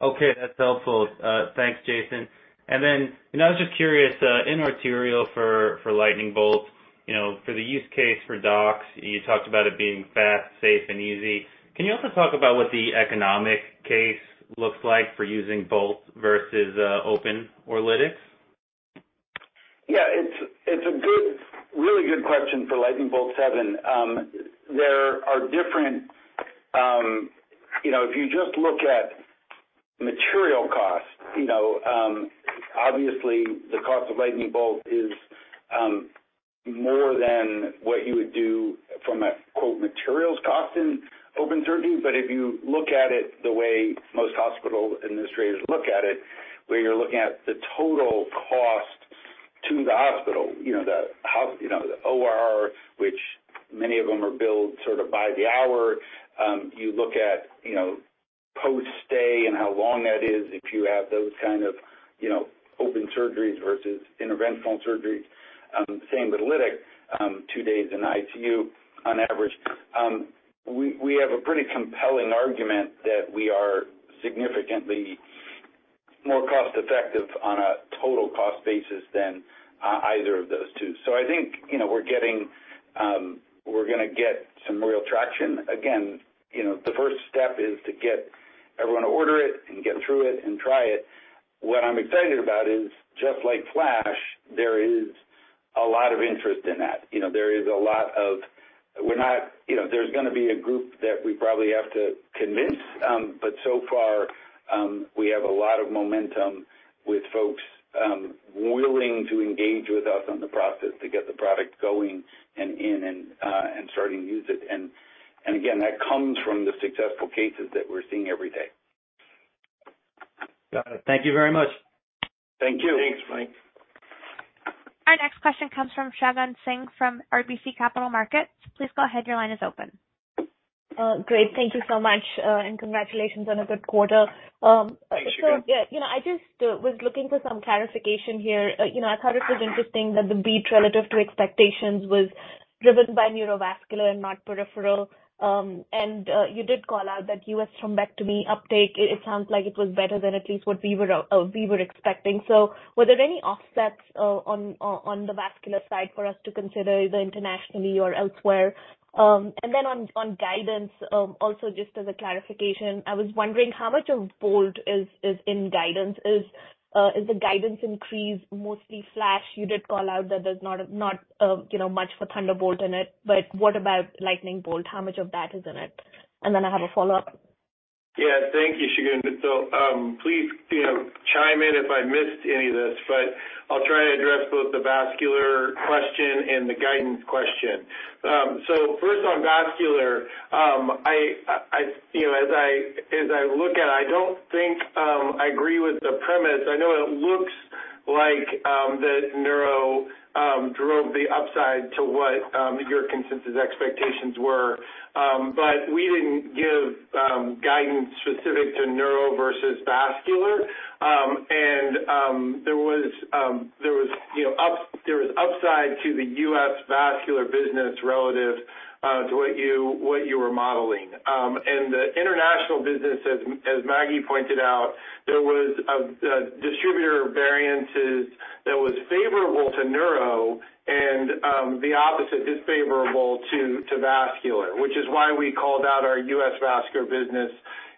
Speaker 11: Okay. That's helpful. Thanks, Jason. I was just curious, in arterial for Lightning Bolt, you know, for the use case for docs, you talked about it being fast, safe, and easy. Can you also talk about what the economic case looks like for using Bolt versus open or lytics?
Speaker 3: Yeah. It's a good, really good question for Lightning Bolt 7. There are different, You know, if you just look at material costs, you know, obviously the cost of Lightning Bolt is more than what you would do from a quote, materials cost in open surgery. If you look at it the way most hospital administrators look at it, where you're looking at the total cost to the hospital, you know, the OR, which many of them are billed sort of by the hour. You look at, you know, post-stay and how long that is if you have those kind of, you know, open surgeries versus interventional surgeries. Same with lytic. Two days in ICU on average. We, we have a pretty compelling argument that we are significantly more cost effective on a total cost basis than either of those two. I think, you know, we're getting, we're gonna get some real traction. Again, you know, the first step is to get everyone to order it and get through it and try it. What I'm excited about is just like Flash, there is a lot of interest in that. You know, there's gonna be a group that we probably have to convince. So far, we have a lot of momentum with folks, willing to engage with us on the process to get the product going and in and starting to use it. Again, that comes from the successful cases that we're seeing every day.
Speaker 11: Got it. Thank you very much.
Speaker 3: Thank you.
Speaker 11: Thanks, Mike.
Speaker 1: Our next question comes from Shagun Singh from RBC Capital Markets. Please go ahead. Your line is open.
Speaker 12: Great. Thank you so much, and congratulations on a good quarter.
Speaker 3: Thank you, Shagun.
Speaker 12: Yeah, you know, I just was looking for some clarification here. You know, I thought it was interesting that the beat relative to expectations was driven by neurovascular and not peripheral. You did call out that U.S. thrombectomy uptake, it sounds like it was better than at least what we were expecting. Were there any offsets on the vascular side for us to consider either internationally or elsewhere? Then on guidance, also just as a clarification, I was wondering how much of Bolt is in guidance. Is the guidance increase mostly Flash? You did call out that there's not, you know, much for Thunderbolt in it, but what about Lightning Bolt? How much of that is in it? Then I have a follow-up.
Speaker 3: Yeah. Thank you, Shagun. Please, you know, chime in if I missed any of this, but I'll try to address both the vascular question and the guidance question.
Speaker 5: First on vascular, I, you know, as I, as I look at it, I don't think I agree with the premise. I know it looks like that neuro drove the upside to what your consensus expectations were. We didn't give guidance specific to neuro versus vascular. There was, you know, there was upside to the US vascular business relative to what you, what you were modeling. The international business, as Maggie pointed out, there was a distributor variances that was favorable to neuro and the opposite, unfavorable to vascular, which is why we called out our US vascular business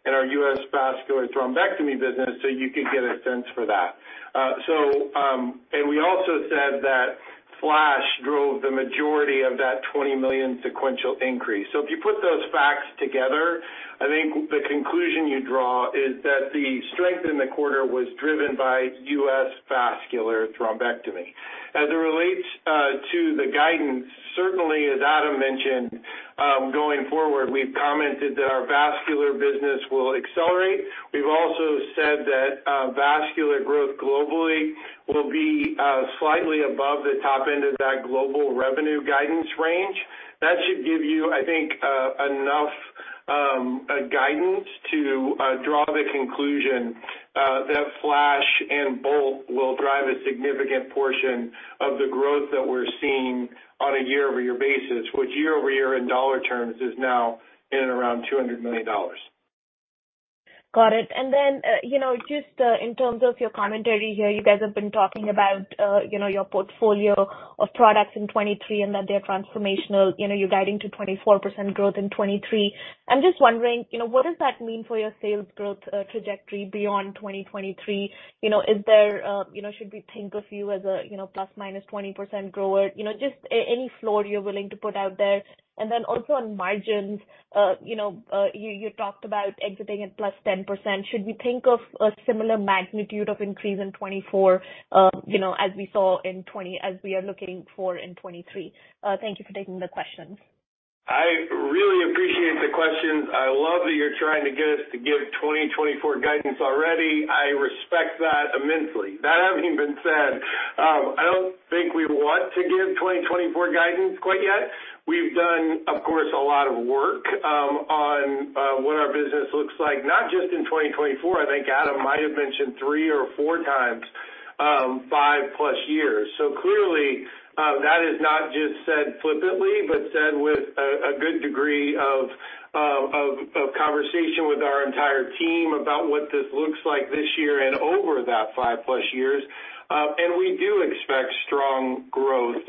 Speaker 5: and our US vascular thrombectomy business, so you could get a sense for that. We also said that Flash drove the majority of that $20 million sequential increase. If you put those facts together, I think the conclusion you draw is that the strength in the quarter was driven by U.S. vascular thrombectomy. As it relates to the guidance, certainly as Adam mentioned, going forward, we've commented that our vascular business will accelerate. We've also said that vascular growth globally will be slightly above the top end of that global revenue guidance range. That should give you, I think, enough guidance to draw the conclusion that Flash and Bolt will drive a significant portion of the growth that we're seeing on a year-over-year basis, which year-over-year in dollar terms is now in and around $200 million.
Speaker 12: Got it. You know, just, in terms of your commentary here, you guys have been talking about, you know, your portfolio of products in 2023 and that they're transformational. You know, you're guiding to 24% growth in 2023. I'm just wondering, you know, what does that mean for your sales growth trajectory beyond 2023? You know, is there? You know, should we think of you as a, you know, ±20% grower? You know, just any floor you're willing to put out there. Also on margins, you know, you talked about exiting at +10%. Should we think of a similar magnitude of increase in 2024, you know, as we are looking for in 2023? Thank you for taking the questions.
Speaker 5: I really appreciate the questions. I love that you're trying to get us to give 2024 guidance already. I respect that immensely. That having been said, I don't think we want to give 2024 guidance quite yet. We've done, of course, a lot of work on what our business looks like, not just in 2024. I think Adam might have mentioned 3x or 4x, 5+ years. Clearly, that is not just said flippantly, but said with a good degree of conversation with our entire team about what this looks like this year and over that 5+ years. We do expect strong growth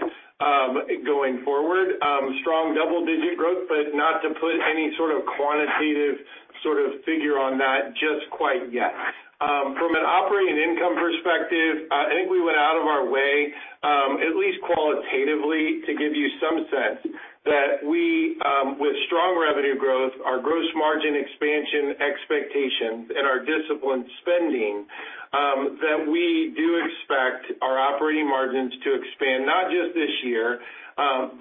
Speaker 5: going forward. Strong double-digit growth, but not to put any sort of quantitative sort of figure on that just quite yet. From an operating income perspective, I think we went out of our way, at least qualitatively, to give you some sense that we, with strong revenue growth, our gross margin expansion expectations and our disciplined spending, that we do expect our operating margins to expand not just this year,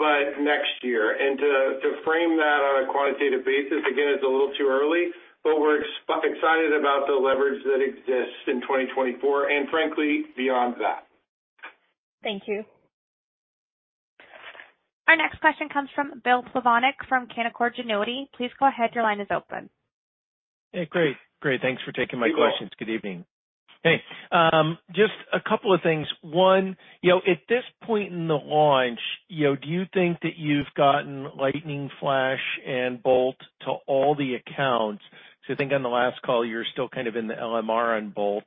Speaker 5: but next year. To frame that on a quantitative basis, again, it's a little too early, but we're excited about the leverage that exists in 2024 and frankly, beyond that.
Speaker 12: Thank you.
Speaker 1: Our next question comes from Bill Plovanic from Canaccord Genuity. Please go ahead. Your line is open.
Speaker 13: Yeah, great. Great. Thanks for taking my questions.
Speaker 5: You're welcome.
Speaker 13: Good evening. Hey, just a couple of things. One, you know, at this point in the launch, you know, do you think that you've gotten Lightning Flash and BOLT to all the accounts? Because I think on the last call, you were still kind of in the LMR on BOLT.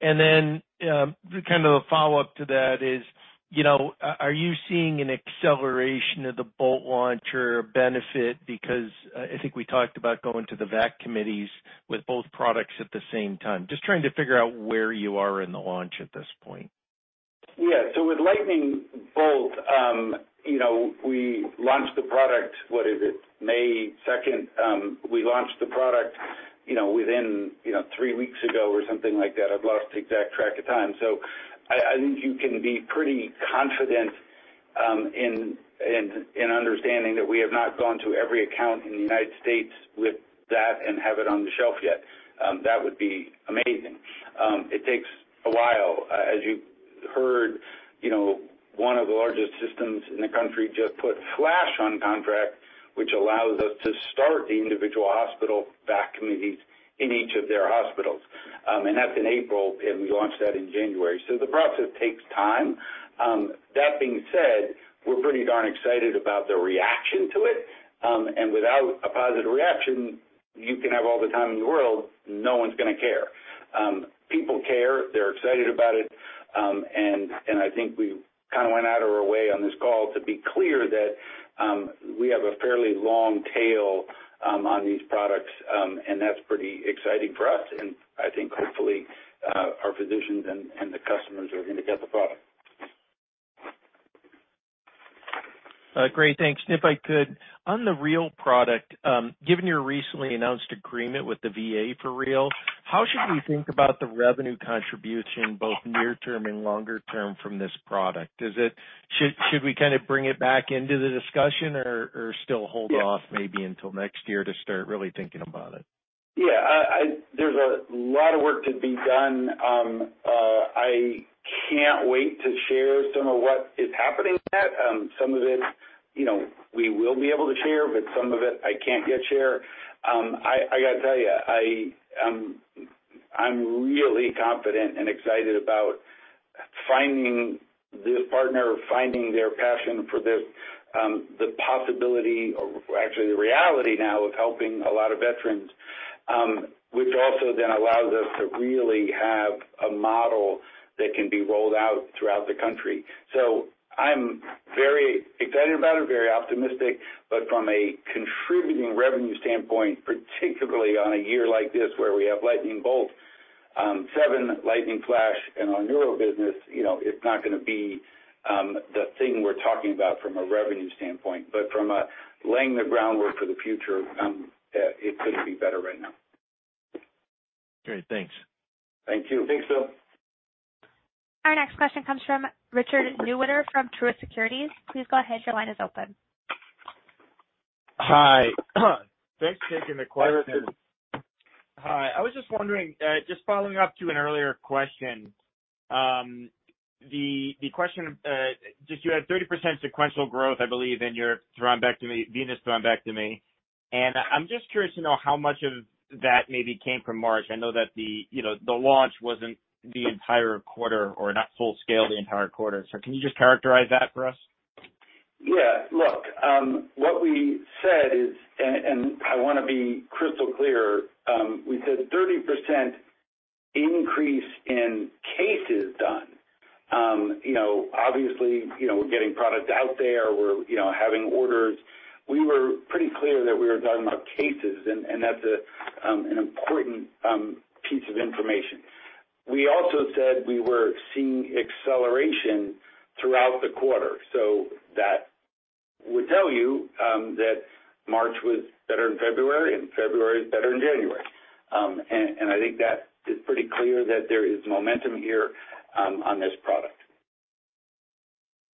Speaker 13: Then, kind of a follow-up to that is, you know, are you seeing an acceleration of the BOLT launch or benefit? I think we talked about going to the VAC committees with both products at the same time. Just trying to figure out where you are in the launch at this point.
Speaker 5: Yeah. With Lightning Bolt, you know, we launched the product, what is it? May second, we launched the product, you know, within, you know, three weeks ago or something like that. I've lost exact track of time. I think you can be pretty confident in understanding that we have not gone to every account in the United States with that and have it on the shelf yet. That would be amazing. It takes a while. As you heard, you know, one of the largest systems in the country just put FLASH on contract, which allows us to start the individual hospital VAC committees in each of their hospitals. That's in April, and we launched that in January. The process takes time. That being said, we're pretty darn excited about the reaction to it. Without a positive reaction, you can have all the time in the world, no one's gonna care. People care. They're excited about it. I think we kind of went out of our way on this call to be clear that we have a fairly long tail on these products. That's pretty exciting for us. I think hopefully, our physicians and the customers are gonna get the product.
Speaker 13: Great. Thanks. If I could, on the Real product, given your recently announced agreement with the VA for Real, how should we think about the revenue contribution both near term and longer term from this product? Should we kind of bring it back into the discussion or still hold off maybe until next year to start really thinking about it?
Speaker 3: Yeah, there's a lot of work to be done. I can't wait to share some of what is happening yet. Some of it, you know, we will be able to share, but some of it I can't yet share. I gotta tell you, I'm really confident and excited about finding the partner, finding their passion for this, the possibility or actually the reality now of helping a lot of veterans, which also then allows us to really have a model that can be rolled out throughout the country. I'm very excited about it, very optimistic. From a contributing revenue standpoint, particularly on a year like this where we have Lightning Bolt 7 Lightning Flash in our neuro business, you know, it's not gonna be the thing we're talking about from a revenue standpoint, but from a laying the groundwork for the future, it couldn't be better right now.
Speaker 14: Great. Thanks.
Speaker 3: Thank you. Thanks, Phil.
Speaker 1: Our next question comes from Richard Newitter from Truist Securities. Please go ahead. Your line is open.
Speaker 15: Hi. Thanks for taking the question.
Speaker 3: Hi, Richard.
Speaker 15: Hi. I was just wondering, just following up to an earlier question, the question, just you had 30% sequential growth, I believe, in your thrombectomy, venous thrombectomy, and I'm just curious to know how much of that maybe came from March. I know that the, you know, the launch wasn't the entire quarter or not full scale the entire quarter. Can you just characterize that for us?
Speaker 3: Yeah. Look, what we said is, and I wanna be crystal clear, we said 30% increase in cases done. You know, obviously, you know, we're getting product out there. We're, you know, having orders. We were pretty clear that we were talking about cases, and that's a, an important, piece of information. We also said we were seeing acceleration throughout the quarter. That would tell you, that March was better than February, and February is better than January. And I think that is pretty clear that there is momentum here, on this product.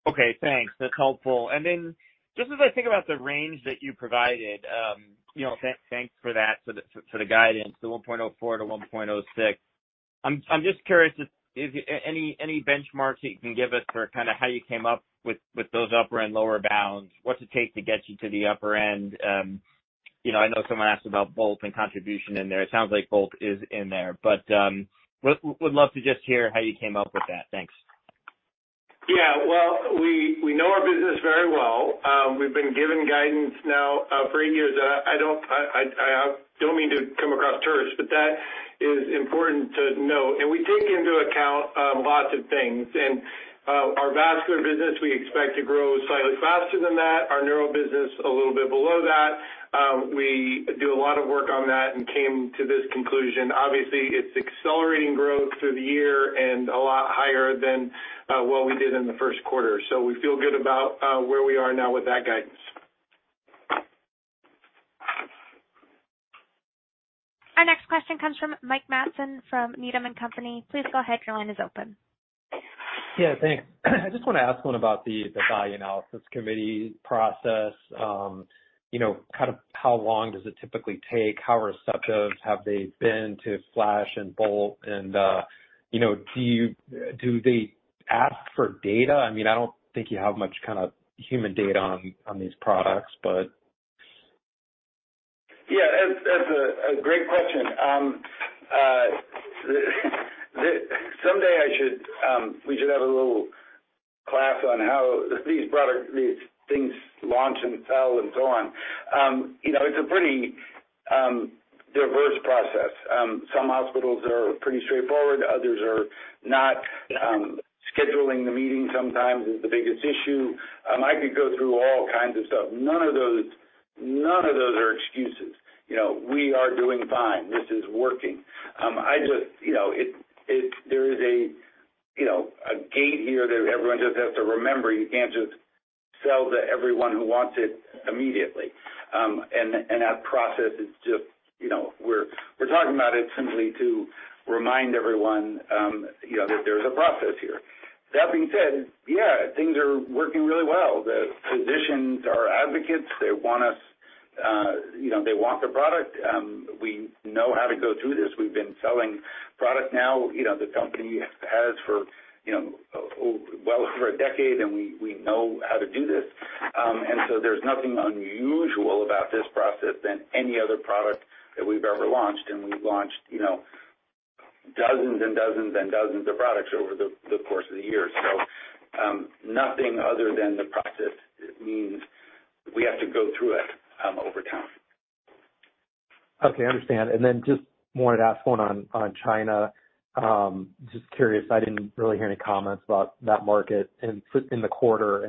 Speaker 15: Okay, thanks. That's helpful. Then just as I think about the range that you provided, you know, thanks for that, for the, for the guidance, the $1.04-$1.06. I'm just curious if any benchmarks that you can give us for kind of how you came up with those upper and lower bounds, what's it take to get you to the upper end? You know, I know someone asked about Bolt and contribution in there. It sounds like Bolt is in there, but, would love to just hear how you came up with that. Thanks.
Speaker 3: Well, we know our business very well. We've been given guidance now for eight years. I don't mean to come across terse, but that is important to know. We take into account lots of things. Our vascular business we expect to grow slightly faster than that, our neuro business a little bit below that. We do a lot of work on that and came to this conclusion. Obviously, it's accelerating growth through the year and a lot higher than what we did in the 1st quarter. We feel good about where we are now with that guidance.
Speaker 1: Our next question comes from Mike Matson from Needham & Company. Please go ahead. Your line is open.
Speaker 14: Thanks. I just wanna ask one about the value analysis committee process. You know, kind of how long does it typically take? How receptive have they been to Flash and Bolt and, you know, do they ask for data? I mean, I don't think you have much kinda human data on these products, but...
Speaker 3: Yeah. That's, that's a great question. Someday I should, we should have a little class on how these products, these things launch and sell and so on. You know, it's a pretty diverse process. Some hospitals are pretty straightforward, others are not. Scheduling the meeting sometimes is the biggest issue. I could go through all kinds of stuff. None of those, none of those are excuses. You know, we are doing fine. This is working. I just... There is a, you know, a gate here that everyone just has to remember. You can't just sell to everyone who wants it immediately. That process is just... You know, we're talking about it simply to remind everyone, you know, that there's a process here. That being said, yeah, things are working really well. The physicians are advocates. They want us. You know, they want the product. We know how to go through this. We've been selling product now, you know, the company has for, you know, well over a decade, and we know how to do this. There's nothing unusual about this process than any other product that we've ever launched, and we've launched, you know, dozens and dozens and dozens of products over the course of the years. Nothing other than the process. It means we have to go through it over time.
Speaker 14: Okay, I understand. Just wanted to ask one on China. Just curious, I didn't really hear any comments about that market in the quarter.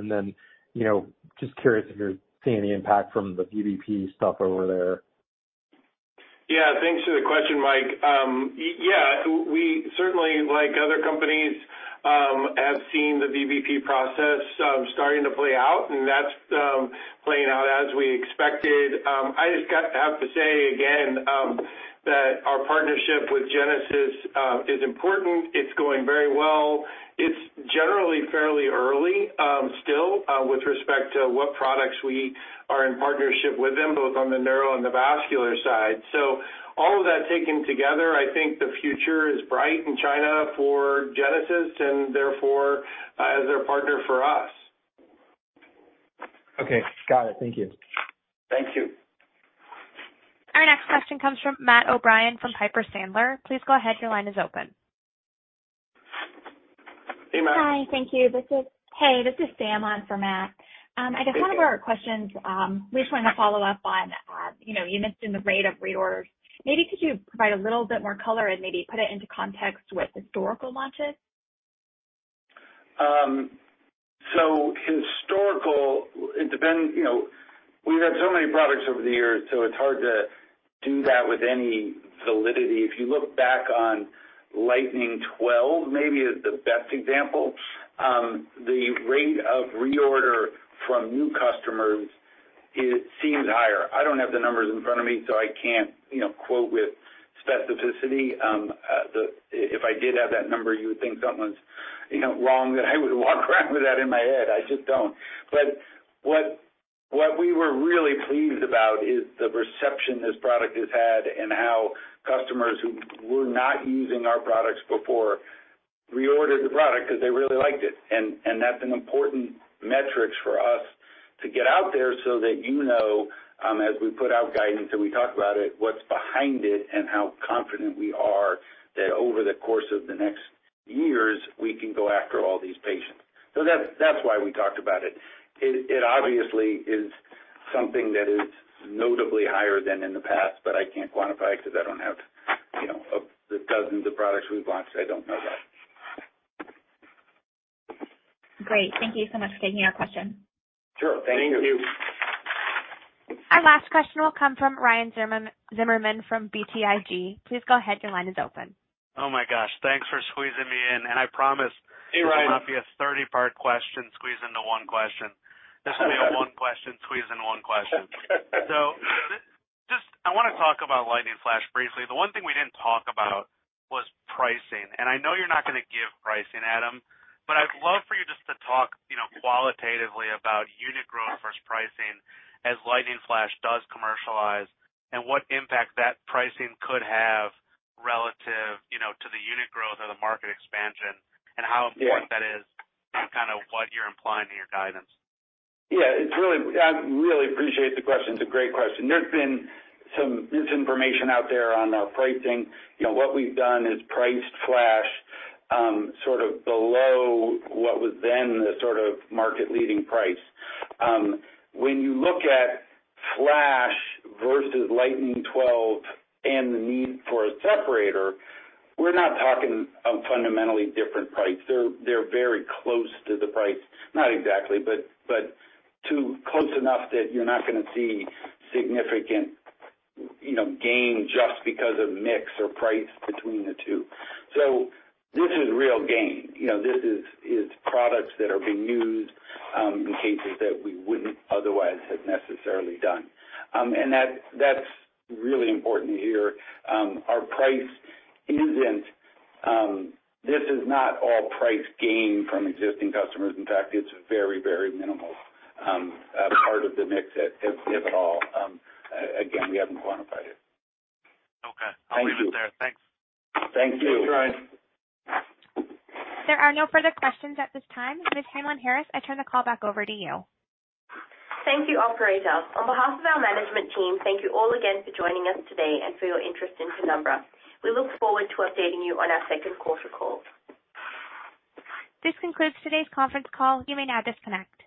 Speaker 14: You know, just curious if you're seeing any impact from the VBP stuff over there?
Speaker 3: Yeah. Thanks for the question, Mike. Yeah, we certainly, like other companies, have seen the VBP process, starting to play out, and that's playing out. I just got to have to say again, that our partnership with Genesis is important. It's going very well. It's generally fairly early, still, with respect to what products we are in partnership with them, both on the neuro and the vascular side. All of that taken together, I think the future is bright in China for Genesis and therefore as their partner, for us.
Speaker 2: Okay. Got it. Thank you.
Speaker 3: Thank you.
Speaker 1: Our next question comes from Matt O'Brien from Piper Sandler. Please go ahead. Your line is open.
Speaker 3: Hey, Matt.
Speaker 16: Hi. Thank you. Hey, this is Sam on for Matt. I guess one of our questions, we just wanted to follow up on, you know, you mentioned the rate of reorders. Maybe could you provide a little bit more color and maybe put it into context with historical launches?
Speaker 3: Historical, it depends. You know, we've had so many products over the years, so it's hard to do that with any validity. If you look back on Lightning 12 maybe is the best example. The rate of reorder from new customers seems higher. I don't have the numbers in front of me, so I can't, you know, quote with specificity. If I did have that number, you would think something was, you know, wrong, that I would walk around with that in my head. I just don't. What we were really pleased about is the reception this product has had and how customers who were not using our products before reordered the product because they really liked it. That's an important metrics for us to get out there so that you know, as we put out guidance and we talk about it, what's behind it and how confident we are that over the course of the next years, we can go after all these patients. That's why we talked about it. It obviously is something that is notably higher than in the past, but I can't quantify it because I don't have, you know, of the dozens of products we've launched, I don't know that.
Speaker 16: Great. Thank you so much for taking our question.
Speaker 3: Sure. Thank you.
Speaker 1: Our last question will come from Ryan Zimmerman from BTIG. Please go ahead. Your line is open.
Speaker 17: Oh my gosh. Thanks for squeezing me in. I promise-
Speaker 3: Hey, Ryan.
Speaker 17: This will not be a 30-part question squeezed into one question. This will be a one question squeezed in one question. Just I want to talk about Lightning Flash briefly. The one thing we didn't talk about was pricing. I know you're not going to give pricing, Adam, but I'd love for you just to talk, you know, qualitatively about unit growth versus pricing as Lightning Flash does commercialize and what impact that pricing could have relative, you know, to the unit growth or the market expansion and how important that is to kind of what you're implying in your guidance.
Speaker 3: Yeah, I really appreciate the question. It's a great question. There's been some misinformation out there on our pricing. You know, what we've done is priced Flash, sort of below what was then the sort of market leading price. When you look at Flash versus Lightning 12 and the need for a separator, we're not talking a fundamentally different price. They're very close to the price. Not exactly, but close enough that you're not gonna see significant, you know, gain just because of mix or price between the two. This is real gain. You know, this is products that are being used in cases that we wouldn't otherwise have necessarily done. That's really important to hear. Our price isn't, this is not all price gain from existing customers. In fact, it's very, very minimal as part of the mix, if at all. Again, we haven't quantified it.
Speaker 17: Okay.
Speaker 3: Thank you.
Speaker 17: I'll leave it there. Thanks.
Speaker 3: Thank you.
Speaker 2: Thanks, Ryan.
Speaker 1: There are no further questions at this time. This is Jee Hamlyn-Harris. I turn the call back over to you.
Speaker 2: Thank you, operator. On behalf of our management team, thank you all again for joining us today and for your interest in Penumbra. We look forward to updating you on our second quarter call.
Speaker 1: This concludes today's conference call. You may now disconnect.